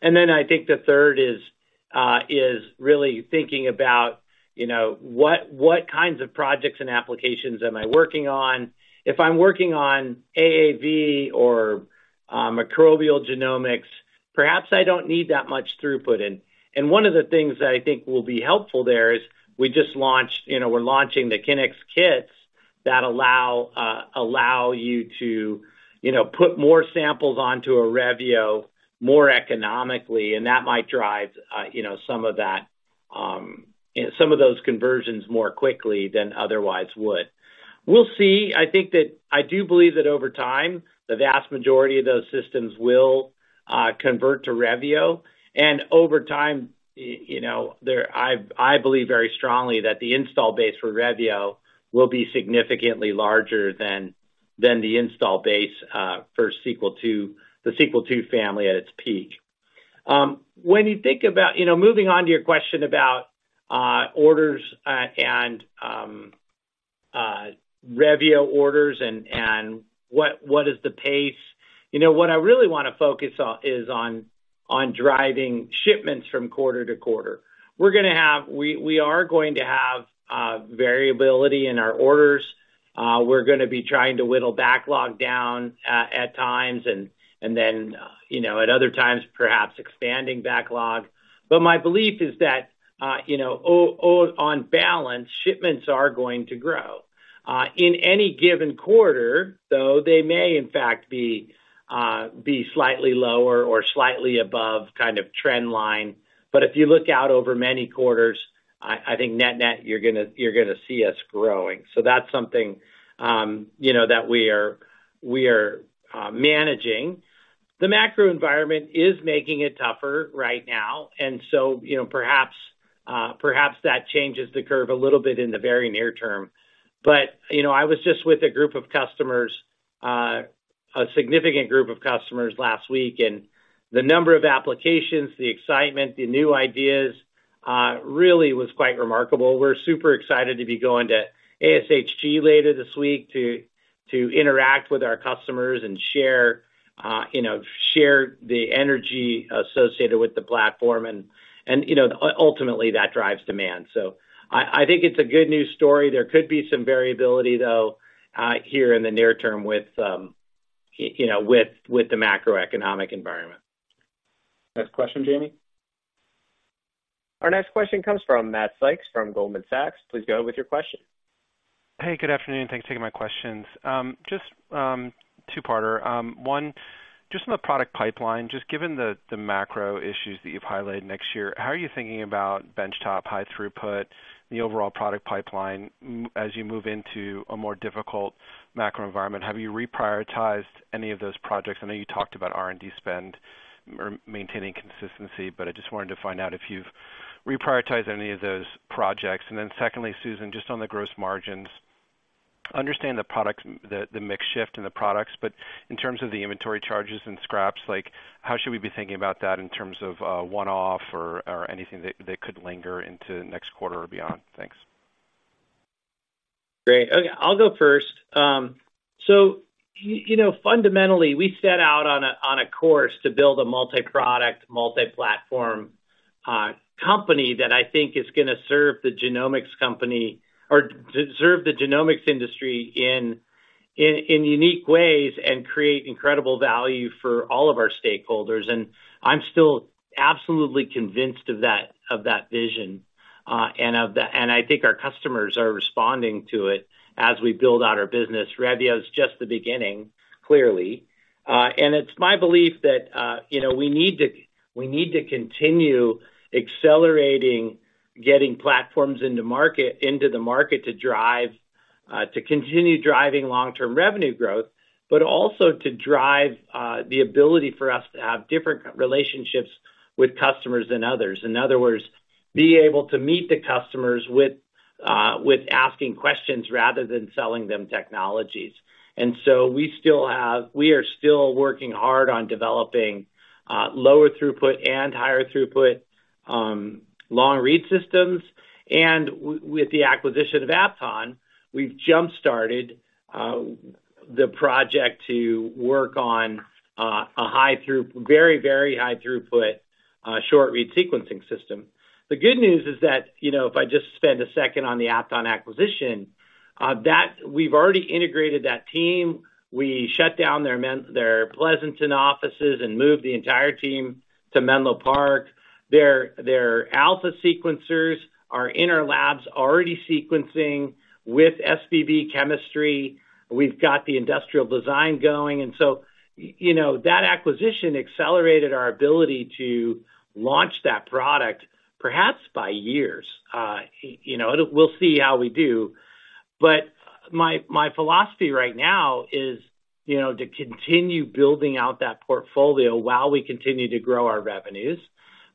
And then I think the third is really thinking about, you know, what kinds of projects and applications am I working on? If I'm working on AAV or microbial genomics, perhaps I don't need that much throughput in. And one of the things that I think will be helpful there is, we just launched, you know, we're launching the Kinnex kits that allow you to, you know, put more samples onto a Revio more economically, and that might drive, you know, some of that, some of those conversions more quickly than otherwise would. We'll see. I think that- I do believe that over time, the vast majority of those systems will convert to Revio, and over time, you know, there I believe very strongly that the install base for Revio will be significantly larger than the install base for Sequel II, the Sequel II family at its peak. When you think about, you know, moving on to your question about orders and Revio orders and what is the pace, you know, what I really want to focus on is driving shipments from quarter-to-quarter. We're gonna have we are going to have variability in our orders. We're gonna be trying to whittle backlog down at times, and then, you know, at other times, perhaps expanding backlog. But my belief is that, you know, on balance, shipments are going to grow. In any given quarter, though, they may in fact be slightly lower or slightly above kind of trend line. But if you look out over many quarters, I think net-net, you're gonna, you're gonna see us growing. So that's something, you know, that we are managing. The macro environment is making it tougher right now, and so, you know, perhaps that changes the curve a little bit in the very near term. But, you know, I was just with a group of customers, a significant group of customers last week, and the number of applications, the excitement, the new ideas, really was quite remarkable. We're super excited to be going to ASHG later this week to interact with our customers and share, you know, share the energy associated with the platform, and, you know, ultimately, that drives demand. So I think it's a good news story. There could be some variability, though, here in the near term with, you know, with the macroeconomic environment. Next question, Jamie. Our next question comes from Matt Sykes, from Goldman Sachs. Please go with your question. Hey, good afternoon, thanks for taking my questions. Just two-parter. One, just on the product pipeline, just given the macro issues that you've highlighted next year, how are you thinking about benchtop, high-throughput, the overall product pipeline, as you move into a more difficult macro environment? Have you reprioritized any of those projects? I know you talked about R&D spend or maintaining consistency, but I just wanted to find out if you've reprioritized any of those projects. And then secondly, Susan, just on the gross margins, understand the products, the mix shift in the products, but in terms of the inventory charges and scraps, like, how should we be thinking about that in terms of one-off or anything that could linger into next quarter or beyond? Thanks. Great. Okay, I'll go first. So you know, fundamentally, we set out on a course to build a multi-product, multi-platform company that I think is gonna serve the genomics industry in unique ways and create incredible value for all of our stakeholders, and I'm still absolutely convinced of that vision, and I think our customers are responding to it as we build out our business. Revio is just the beginning, clearly, and it's my belief that you know, we need to continue accelerating, getting platforms into market, into the market to drive to continue driving long-term revenue growth, but also to drive the ability for us to have different relationships with customers than others. In other words, be able to meet the customers with asking questions rather than selling them technologies. And so we are still working hard on developing lower throughput and higher throughput long-read systems, and with the acquisition of Apton, we've jumpstarted the project to work on a very, very high throughput short read sequencing system. The good news is that, you know, if I just spend a second on the Apton acquisition, that we've already integrated that team. We shut down their Pleasanton offices and moved the entire team to Menlo Park. Their alpha sequencers are in our labs already sequencing with SBB chemistry. We've got the industrial design going, and so, you know, that acquisition accelerated our ability to launch that product, perhaps by years. You know, we'll see how we do. But my philosophy right now is, you know, to continue building out that portfolio while we continue to grow our revenues,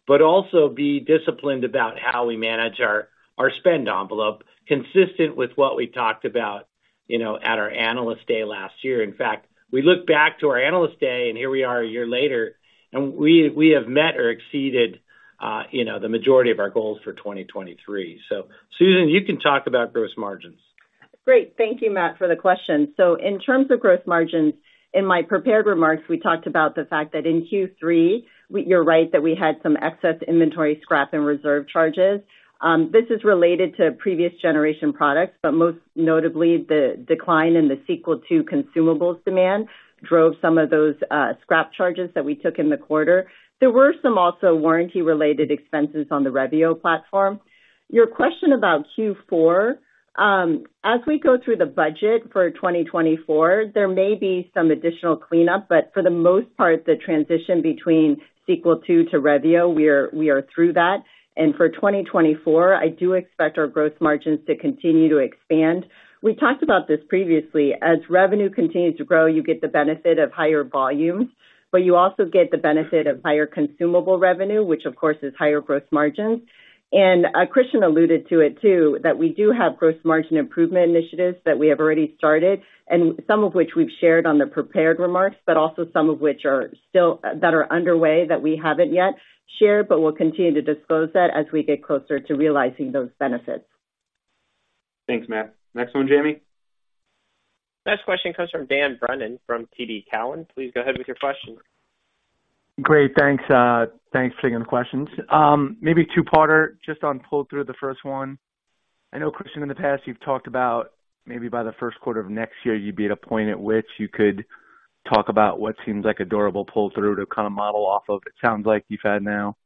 but also be disciplined about how we manage our spend envelope, consistent with what we talked about, you know, at our Analyst Day last year. In fact, we look back to our Analyst Day, and here we are a year later, and we have met or exceeded, you know, the majority of our goals for 2023. So, Susan, you can talk about gross margins. Great. Thank you, Matt, for the question. So in terms of gross margins, in my prepared remarks, we talked about the fact that in Q3, we, you're right, that we had some excess inventory, scrap, and reserve charges. This is related to previous generation products, but most notably, the decline in the Sequel II consumables demand drove some of those scrap charges that we took in the quarter. There were some also warranty-related expenses on the Revio platform. Your question about Q4, as we go through the budget for 2024, there may be some additional cleanup, but for the most part, the transition between Sequel II to Revio, we are, we are through that. And for 2024, I do expect our gross margins to continue to expand. We talked about this previously. As revenue continues to grow, you get the benefit of higher volumes, but you also get the benefit of higher consumable revenue, which, of course, is higher gross margins. Christian alluded to it, too, that we do have gross margin improvement initiatives that we have already started, and some of which we've shared on the prepared remarks, but also some of which are still that are underway, that we haven't yet shared, but we'll continue to disclose that as we get closer to realizing those benefits. Thanks, Matt. Next one, Jamie. Next question comes from Dan Brennan from TD Cowen. Please go ahead with your question. Great, thanks. Thanks for taking the questions. Maybe two-parter, just on pull-through, the first one. I know, Christian, in the past, you've talked about maybe by the first quarter of next year, you'd be at a point at which you could talk about what seems like a durable pull-through to kind of model off of. It sounds like you've had now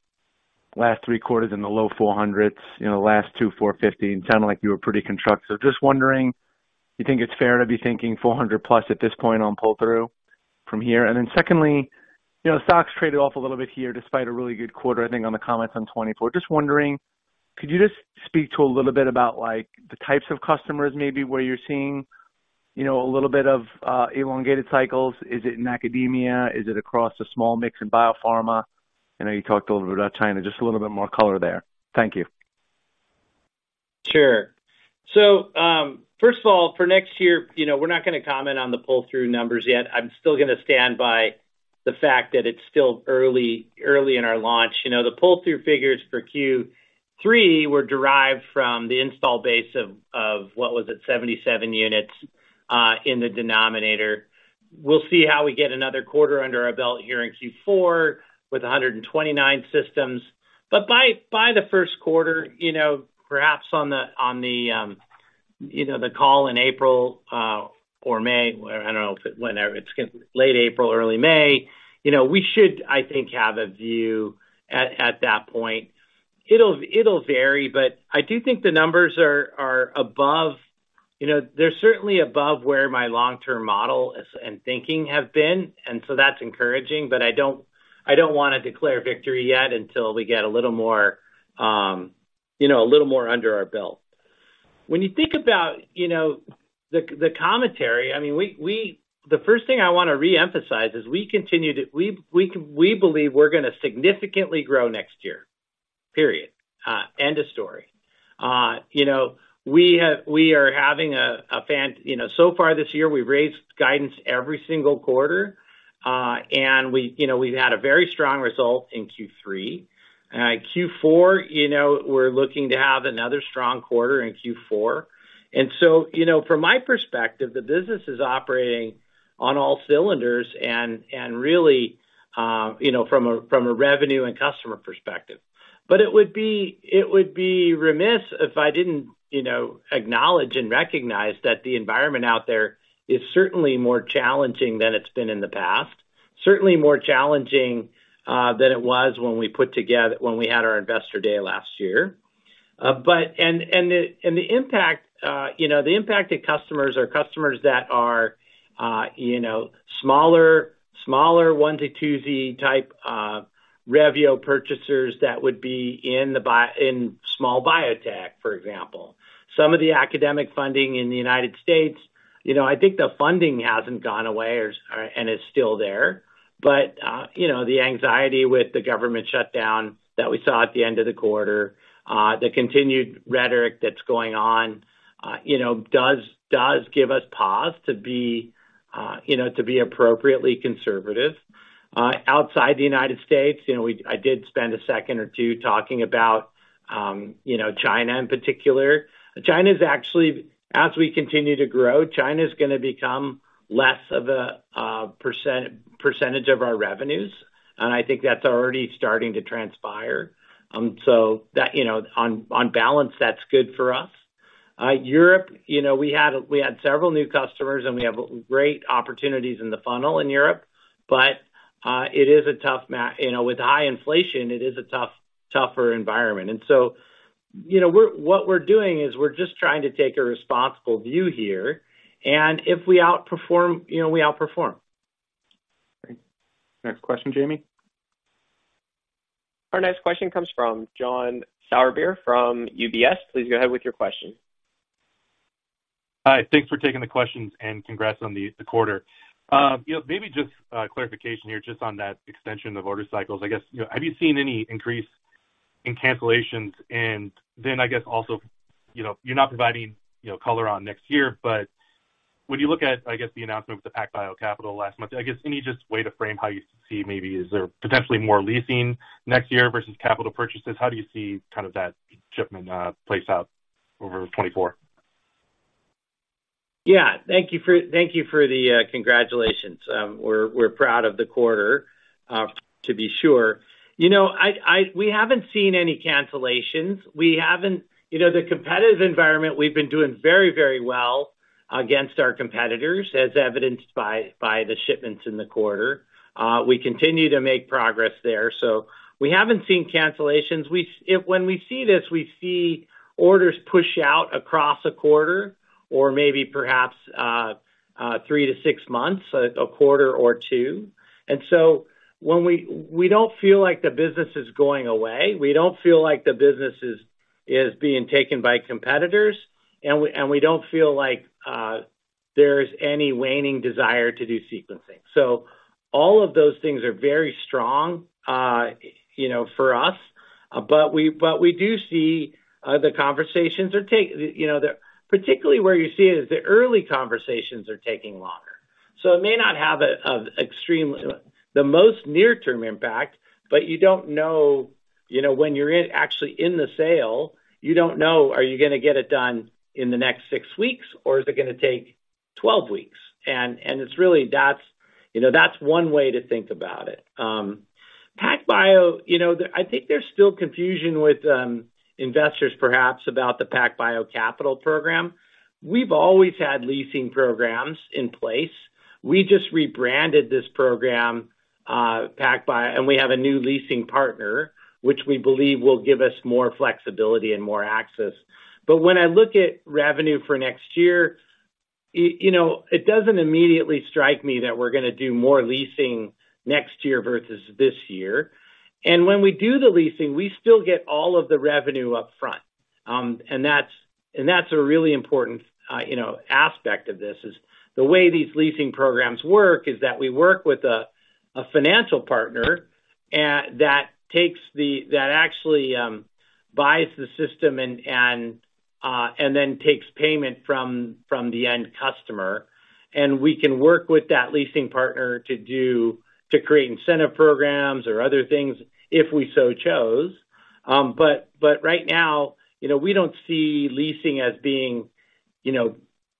last three quarters in the low $400s, you know, last two, $450, and sounded like you were pretty constructive. Just wondering, you think it's fair to be thinking $400+ at this point on pull-through from here? And then secondly, you know, stocks traded off a little bit here despite a really good quarter, I think, on the comments on 2024. Just wondering, could you just speak to a little bit about, like, the types of customers, maybe where you're seeing, you know, a little bit of elongated cycles? Is it in academia? Is it across the small mix in biopharma? I know you talked a little bit about China. Just a little bit more color there. Thank you. Sure. So, first of all, for next year, you know, we're not gonna comment on the pull-through numbers yet. I'm still gonna stand by the fact that it's still early, early in our launch. You know, the pull-through figures for Q3 were derived from the install base of, of what was it? 77 units, in the denominator. We'll see how we get another quarter under our belt here in Q4 with 129 systems. But by, by the first quarter, you know, perhaps on the, on the, you know, the call in April, or May, or I don't know if it, whenever it's, late April, early May, you know, we should, I think, have a view at, at that point. It'll, it'll vary, but I do think the numbers are, are above- you know, they're certainly above where my long-term model is and thinking have been, and so that's encouraging. But I don't, I don't wanna declare victory yet until we get a little more, you know, a little more under our belt. When you think about, you know, the commentary, I mean, the first thing I want to reemphasize is we continue to- we believe we're gonna significantly grow next year, period, end of story. You know, we have. We are having. You know, so far this year, we've raised guidance every single quarter, and we, you know, we've had a very strong result in Q3. Q4, you know, we're looking to have another strong quarter in Q4. You know, from my perspective, the business is operating on all cylinders and really, you know, from a revenue and customer perspective. But it would be remiss if I didn't, you know, acknowledge and recognize that the environment out there is certainly more challenging than it's been in the past. Certainly more challenging than it was when we put together, when we had our Investor Day last year. But the impact to customers are customers that are, you know, smaller onesie-twosie type Revio purchasers that would be in small biotech, for example. Some of the academic funding in the United States, you know, I think the funding hasn't gone away and is still there, but you know, the anxiety with the government shutdown that we saw at the end of the quarter, the continued rhetoric that's going on, you know, does give us pause to be you know, to be appropriately conservative. Outside the United States, you know, I did spend a second or two talking about you know, China in particular. China's actually, as we continue to grow, China's gonna become less of a percentage of our revenues, and I think that's already starting to transpire. So that, you know, on balance, that's good for us. Europe, you know, we had, we had several new customers, and we have great opportunities in the funnel in Europe, but it is a tough, you know, with high inflation, it is a tough, tougher environment. And so, you know, we're, what we're doing is we're just trying to take a responsible view here, and if we outperform, you know, we outperform. Great. Next question, Jamie. Our next question comes from John Sourbeer, from UBS. Please go ahead with your question. Hi, thanks for taking the questions and congrats on the, the quarter. You know, maybe just clarification here, just on that extension of order cycles. I guess, you know, have you seen any increase in cancellations? And then, I guess also, you know, you're not providing, you know, color on next year, but when you look at, I guess, the announcement with the PacBio Capital last month, I guess, any just way to frame how you see maybe, is there potentially more leasing next year versus capital purchases? How do you see kind of that shipment play out over 2024? Yeah, thank you for, thank you for the congratulations. We're proud of the quarter, to be sure. You know, we haven't seen any cancellations. You know, the competitive environment, we've been doing very, very well against our competitors, as evidenced by the shipments in the quarter. We continue to make progress there, so we haven't seen cancellations. When we see this, we see orders push out across a quarter or maybe perhaps 3-6 months, a quarter or 2. And so when we don't feel like the business is going away, we don't feel like the business is being taken by competitors, and we don't feel like there's any waning desire to do sequencing. So all of those things are very strong, you know, for us. But we do see the conversations are taking longer. You know, particularly where you see it is the early conversations are taking longer. So it may not have the most near-term impact, but you don't know, you know, when you're in, actually in the sale, you don't know, are you gonna get it done in the next 6 weeks, or is it gonna take 12 weeks? And it's really that's, you know, that's one way to think about it. PacBio, you know, the- I think there's still confusion with investors, perhaps, about the PacBio Capital program. We've always had leasing programs in place. We just rebranded this program, PacBio, and we have a new leasing partner, which we believe will give us more flexibility and more access. But when I look at revenue for next year, you know, it doesn't immediately strike me that we're gonna do more leasing next year versus this year. And when we do the leasing, we still get all of the revenue up front. And that's a really important, you know, aspect of this: the way these leasing programs work is that we work with a financial partner that actually buys the system and then takes payment from the end customer, and we can work with that leasing partner to create incentive programs or other things if we so chose. But right now, you know, we don't see leasing as being, you know,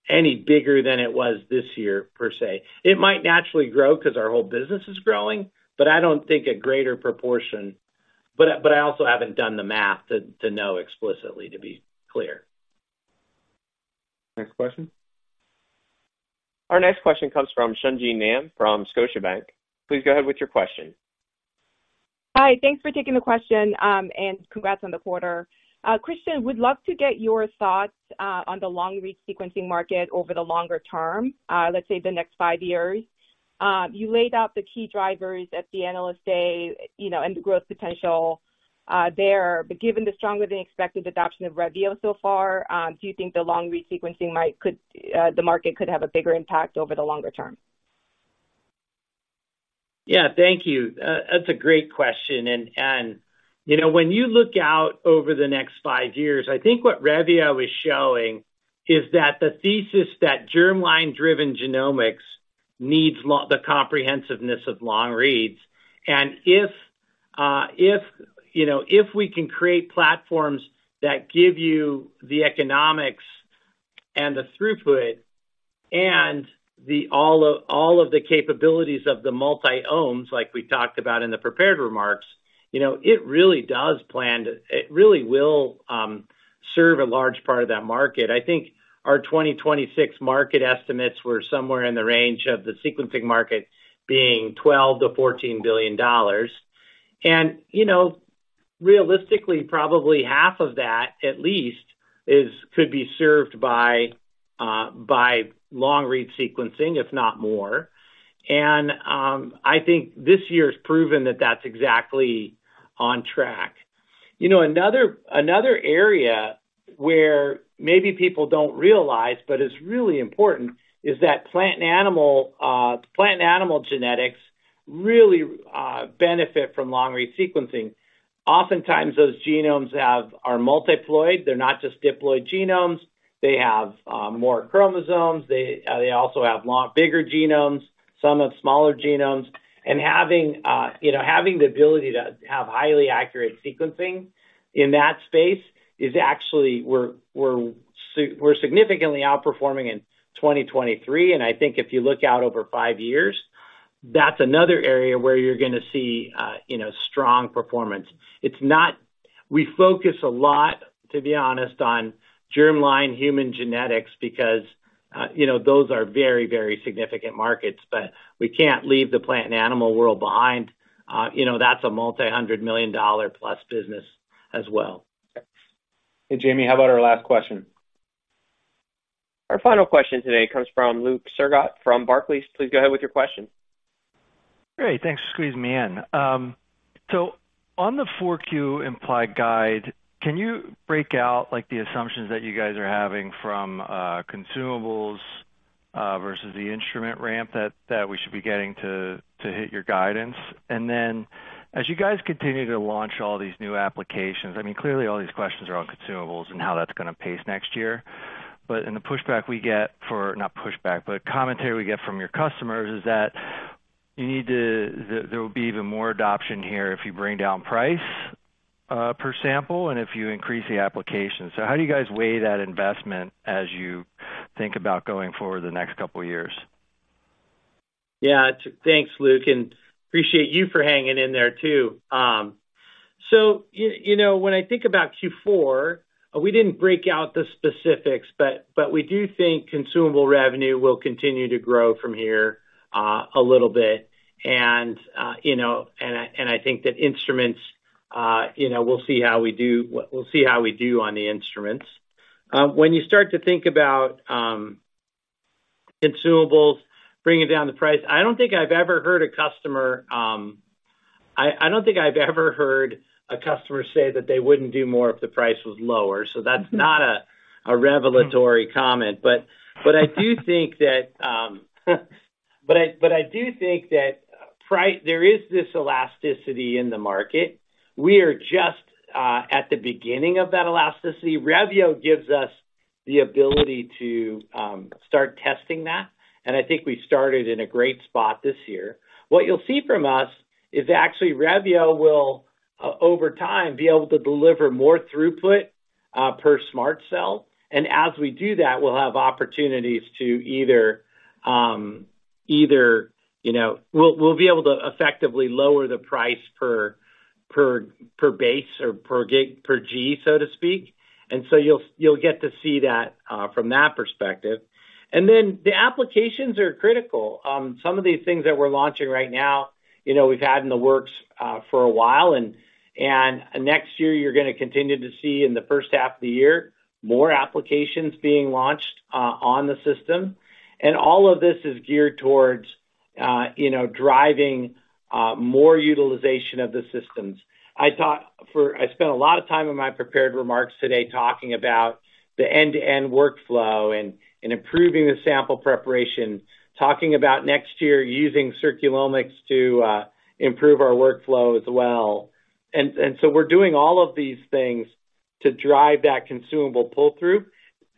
any bigger than it was this year, per se. It might naturally grow because our whole business is growing, but I don't think a greater proportion. But I, but I also haven't done the math to, to know explicitly, to be clear. Next question. Our next question comes from Sung Ji Nam, from Scotiabank. Please go ahead with your question. Hi, thanks for taking the question, and congrats on the quarter. Christian, would love to get your thoughts on the long-read sequencing market over the longer term, let's say the next five years. You laid out the key drivers at the Analyst Day, you know, and the growth potential there, but given the stronger than expected adoption of Revio so far, do you think the long-read sequencing might, could, the market could have a bigger impact over the longer term? Yeah. Thank you. That's a great question, and, and, you know, when you look out over the next five years, I think what Revio is showing is that the thesis that germline-driven genomics needs the comprehensiveness of long reads. And if, if, you know, if we can create platforms that give you the economics and the throughput and the, all of, all of the capabilities of the multi-omics, like we talked about in the prepared remarks, you know, it really does plan to, it really will serve a large part of that market. I think our 2026 market estimates were somewhere in the range of the sequencing market being $12 billion-$14 billion. And, you know, realistically, probably half of that, at least, is could be served by long-read sequencing, if not more. I think this year's proven that that's exactly on track. You know, another area where maybe people don't realize, but it's really important, is that plant and animal genetics really benefit from long-read sequencing. Oftentimes, those genomes are polyploid. They're not just diploid genomes. They have more chromosomes. They also have a lot bigger genomes, some have smaller genomes. And having, you know, having the ability to have highly accurate sequencing in that space is actually, we're significantly outperforming in 2023, and I think if you look out over five years, that's another area where you're gonna see, you know, strong performance. It's not we focus a lot, to be honest, on germline human genetics because, you know, those are very, very significant markets. But we can't leave the plant and animal world behind. You know, that's a multi-hundred-million-dollar-plus business as well. Hey, Jamie, how about our last question? Our final question today comes from Luke Sergott from Barclays. Please go ahead with your question. Great, thanks for squeezing me in. So on the 4Q implied guide, can you break out, like, the assumptions that you guys are having from consumables versus the instrument ramp that we should be getting to, to hit your guidance? And then, as you guys continue to launch all these new applications, I mean, clearly all these questions are on consumables and how that's gonna pace next year. But in the pushback we get for- not pushback, but commentary we get from your customers is that you need to, there will be even more adoption here if you bring down price per sample and if you increase the application. So how do you guys weigh that investment as you think about going forward the next couple of years? Yeah, thanks, Luke, and appreciate you for hanging in there, too. So you know, when I think about Q4, we didn't break out the specifics, but we do think consumable revenue will continue to grow from here, a little bit. And you know, and I think that instruments, you know, we'll see how we do on the instruments. When you start to think about consumables, bringing down the price, I don't think I've ever heard a customer say that they wouldn't do more if the price was lower, so that's not a revelatory comment. But I do think that price, there is this elasticity in the market. We are just at the beginning of that elasticity. Revio gives us the ability to start testing that, and I think we started in a great spot this year. What you'll see from us is actually, Revio will over time be able to deliver more throughput per SMRT Cell, and as we do that, we'll have opportunities to either, you know- we'll be able to effectively lower the price per base or per gig- per G, so to speak, and so you'll get to see that from that perspective. And then, the applications are critical. Some of these things that we're launching right now, you know, we've had in the works for a while, and next year, you're gonna continue to see in the first half of the year, more applications being launched on the system. And all of this is geared towards, you know, driving more utilization of the systems. I spent a lot of time in my prepared remarks today talking about the end-to-end workflow and improving the sample preparation, talking about next year using Circulomics to improve our workflow as well. And so we're doing all of these things to drive that consumable pull-through.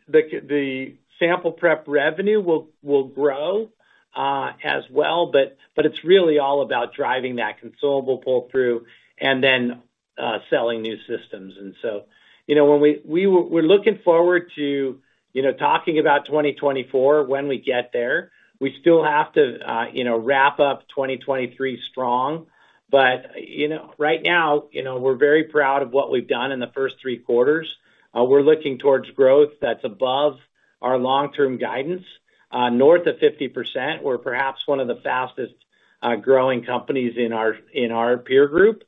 The sample prep revenue will grow as well, but it's really all about driving that consumable pull-through, and then selling new systems. So, you know, when we're looking forward to, you know, talking about 2024 when we get there. We still have to, you know, wrap up 2023 strong. But, you know, right now, you know, we're very proud of what we've done in the first three quarters. We're looking towards growth that's above our long-term guidance, north of 50%. We're perhaps one of the fastest growing companies in our peer group,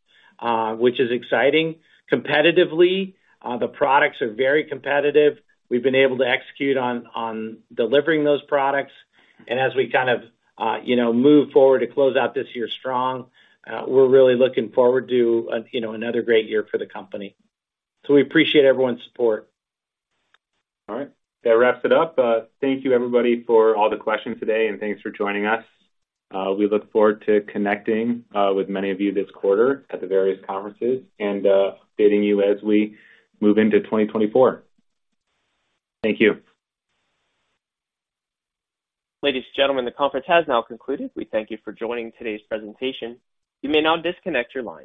which is exciting. Competitively, the products are very competitive. We've been able to execute on delivering those products, and as we kind of, you know, move forward to close out this year strong, we're really looking forward to, you know, another great year for the company. So we appreciate everyone's support. All right. That wraps it up. Thank you, everybody, for all the questions today, and thanks for joining us. We look forward to connecting with many of you this quarter at the various conferences and updating you as we move into 2024. Thank you. Ladies and gentlemen, the conference has now concluded. We thank you for joining today's presentation. You may now disconnect your lines.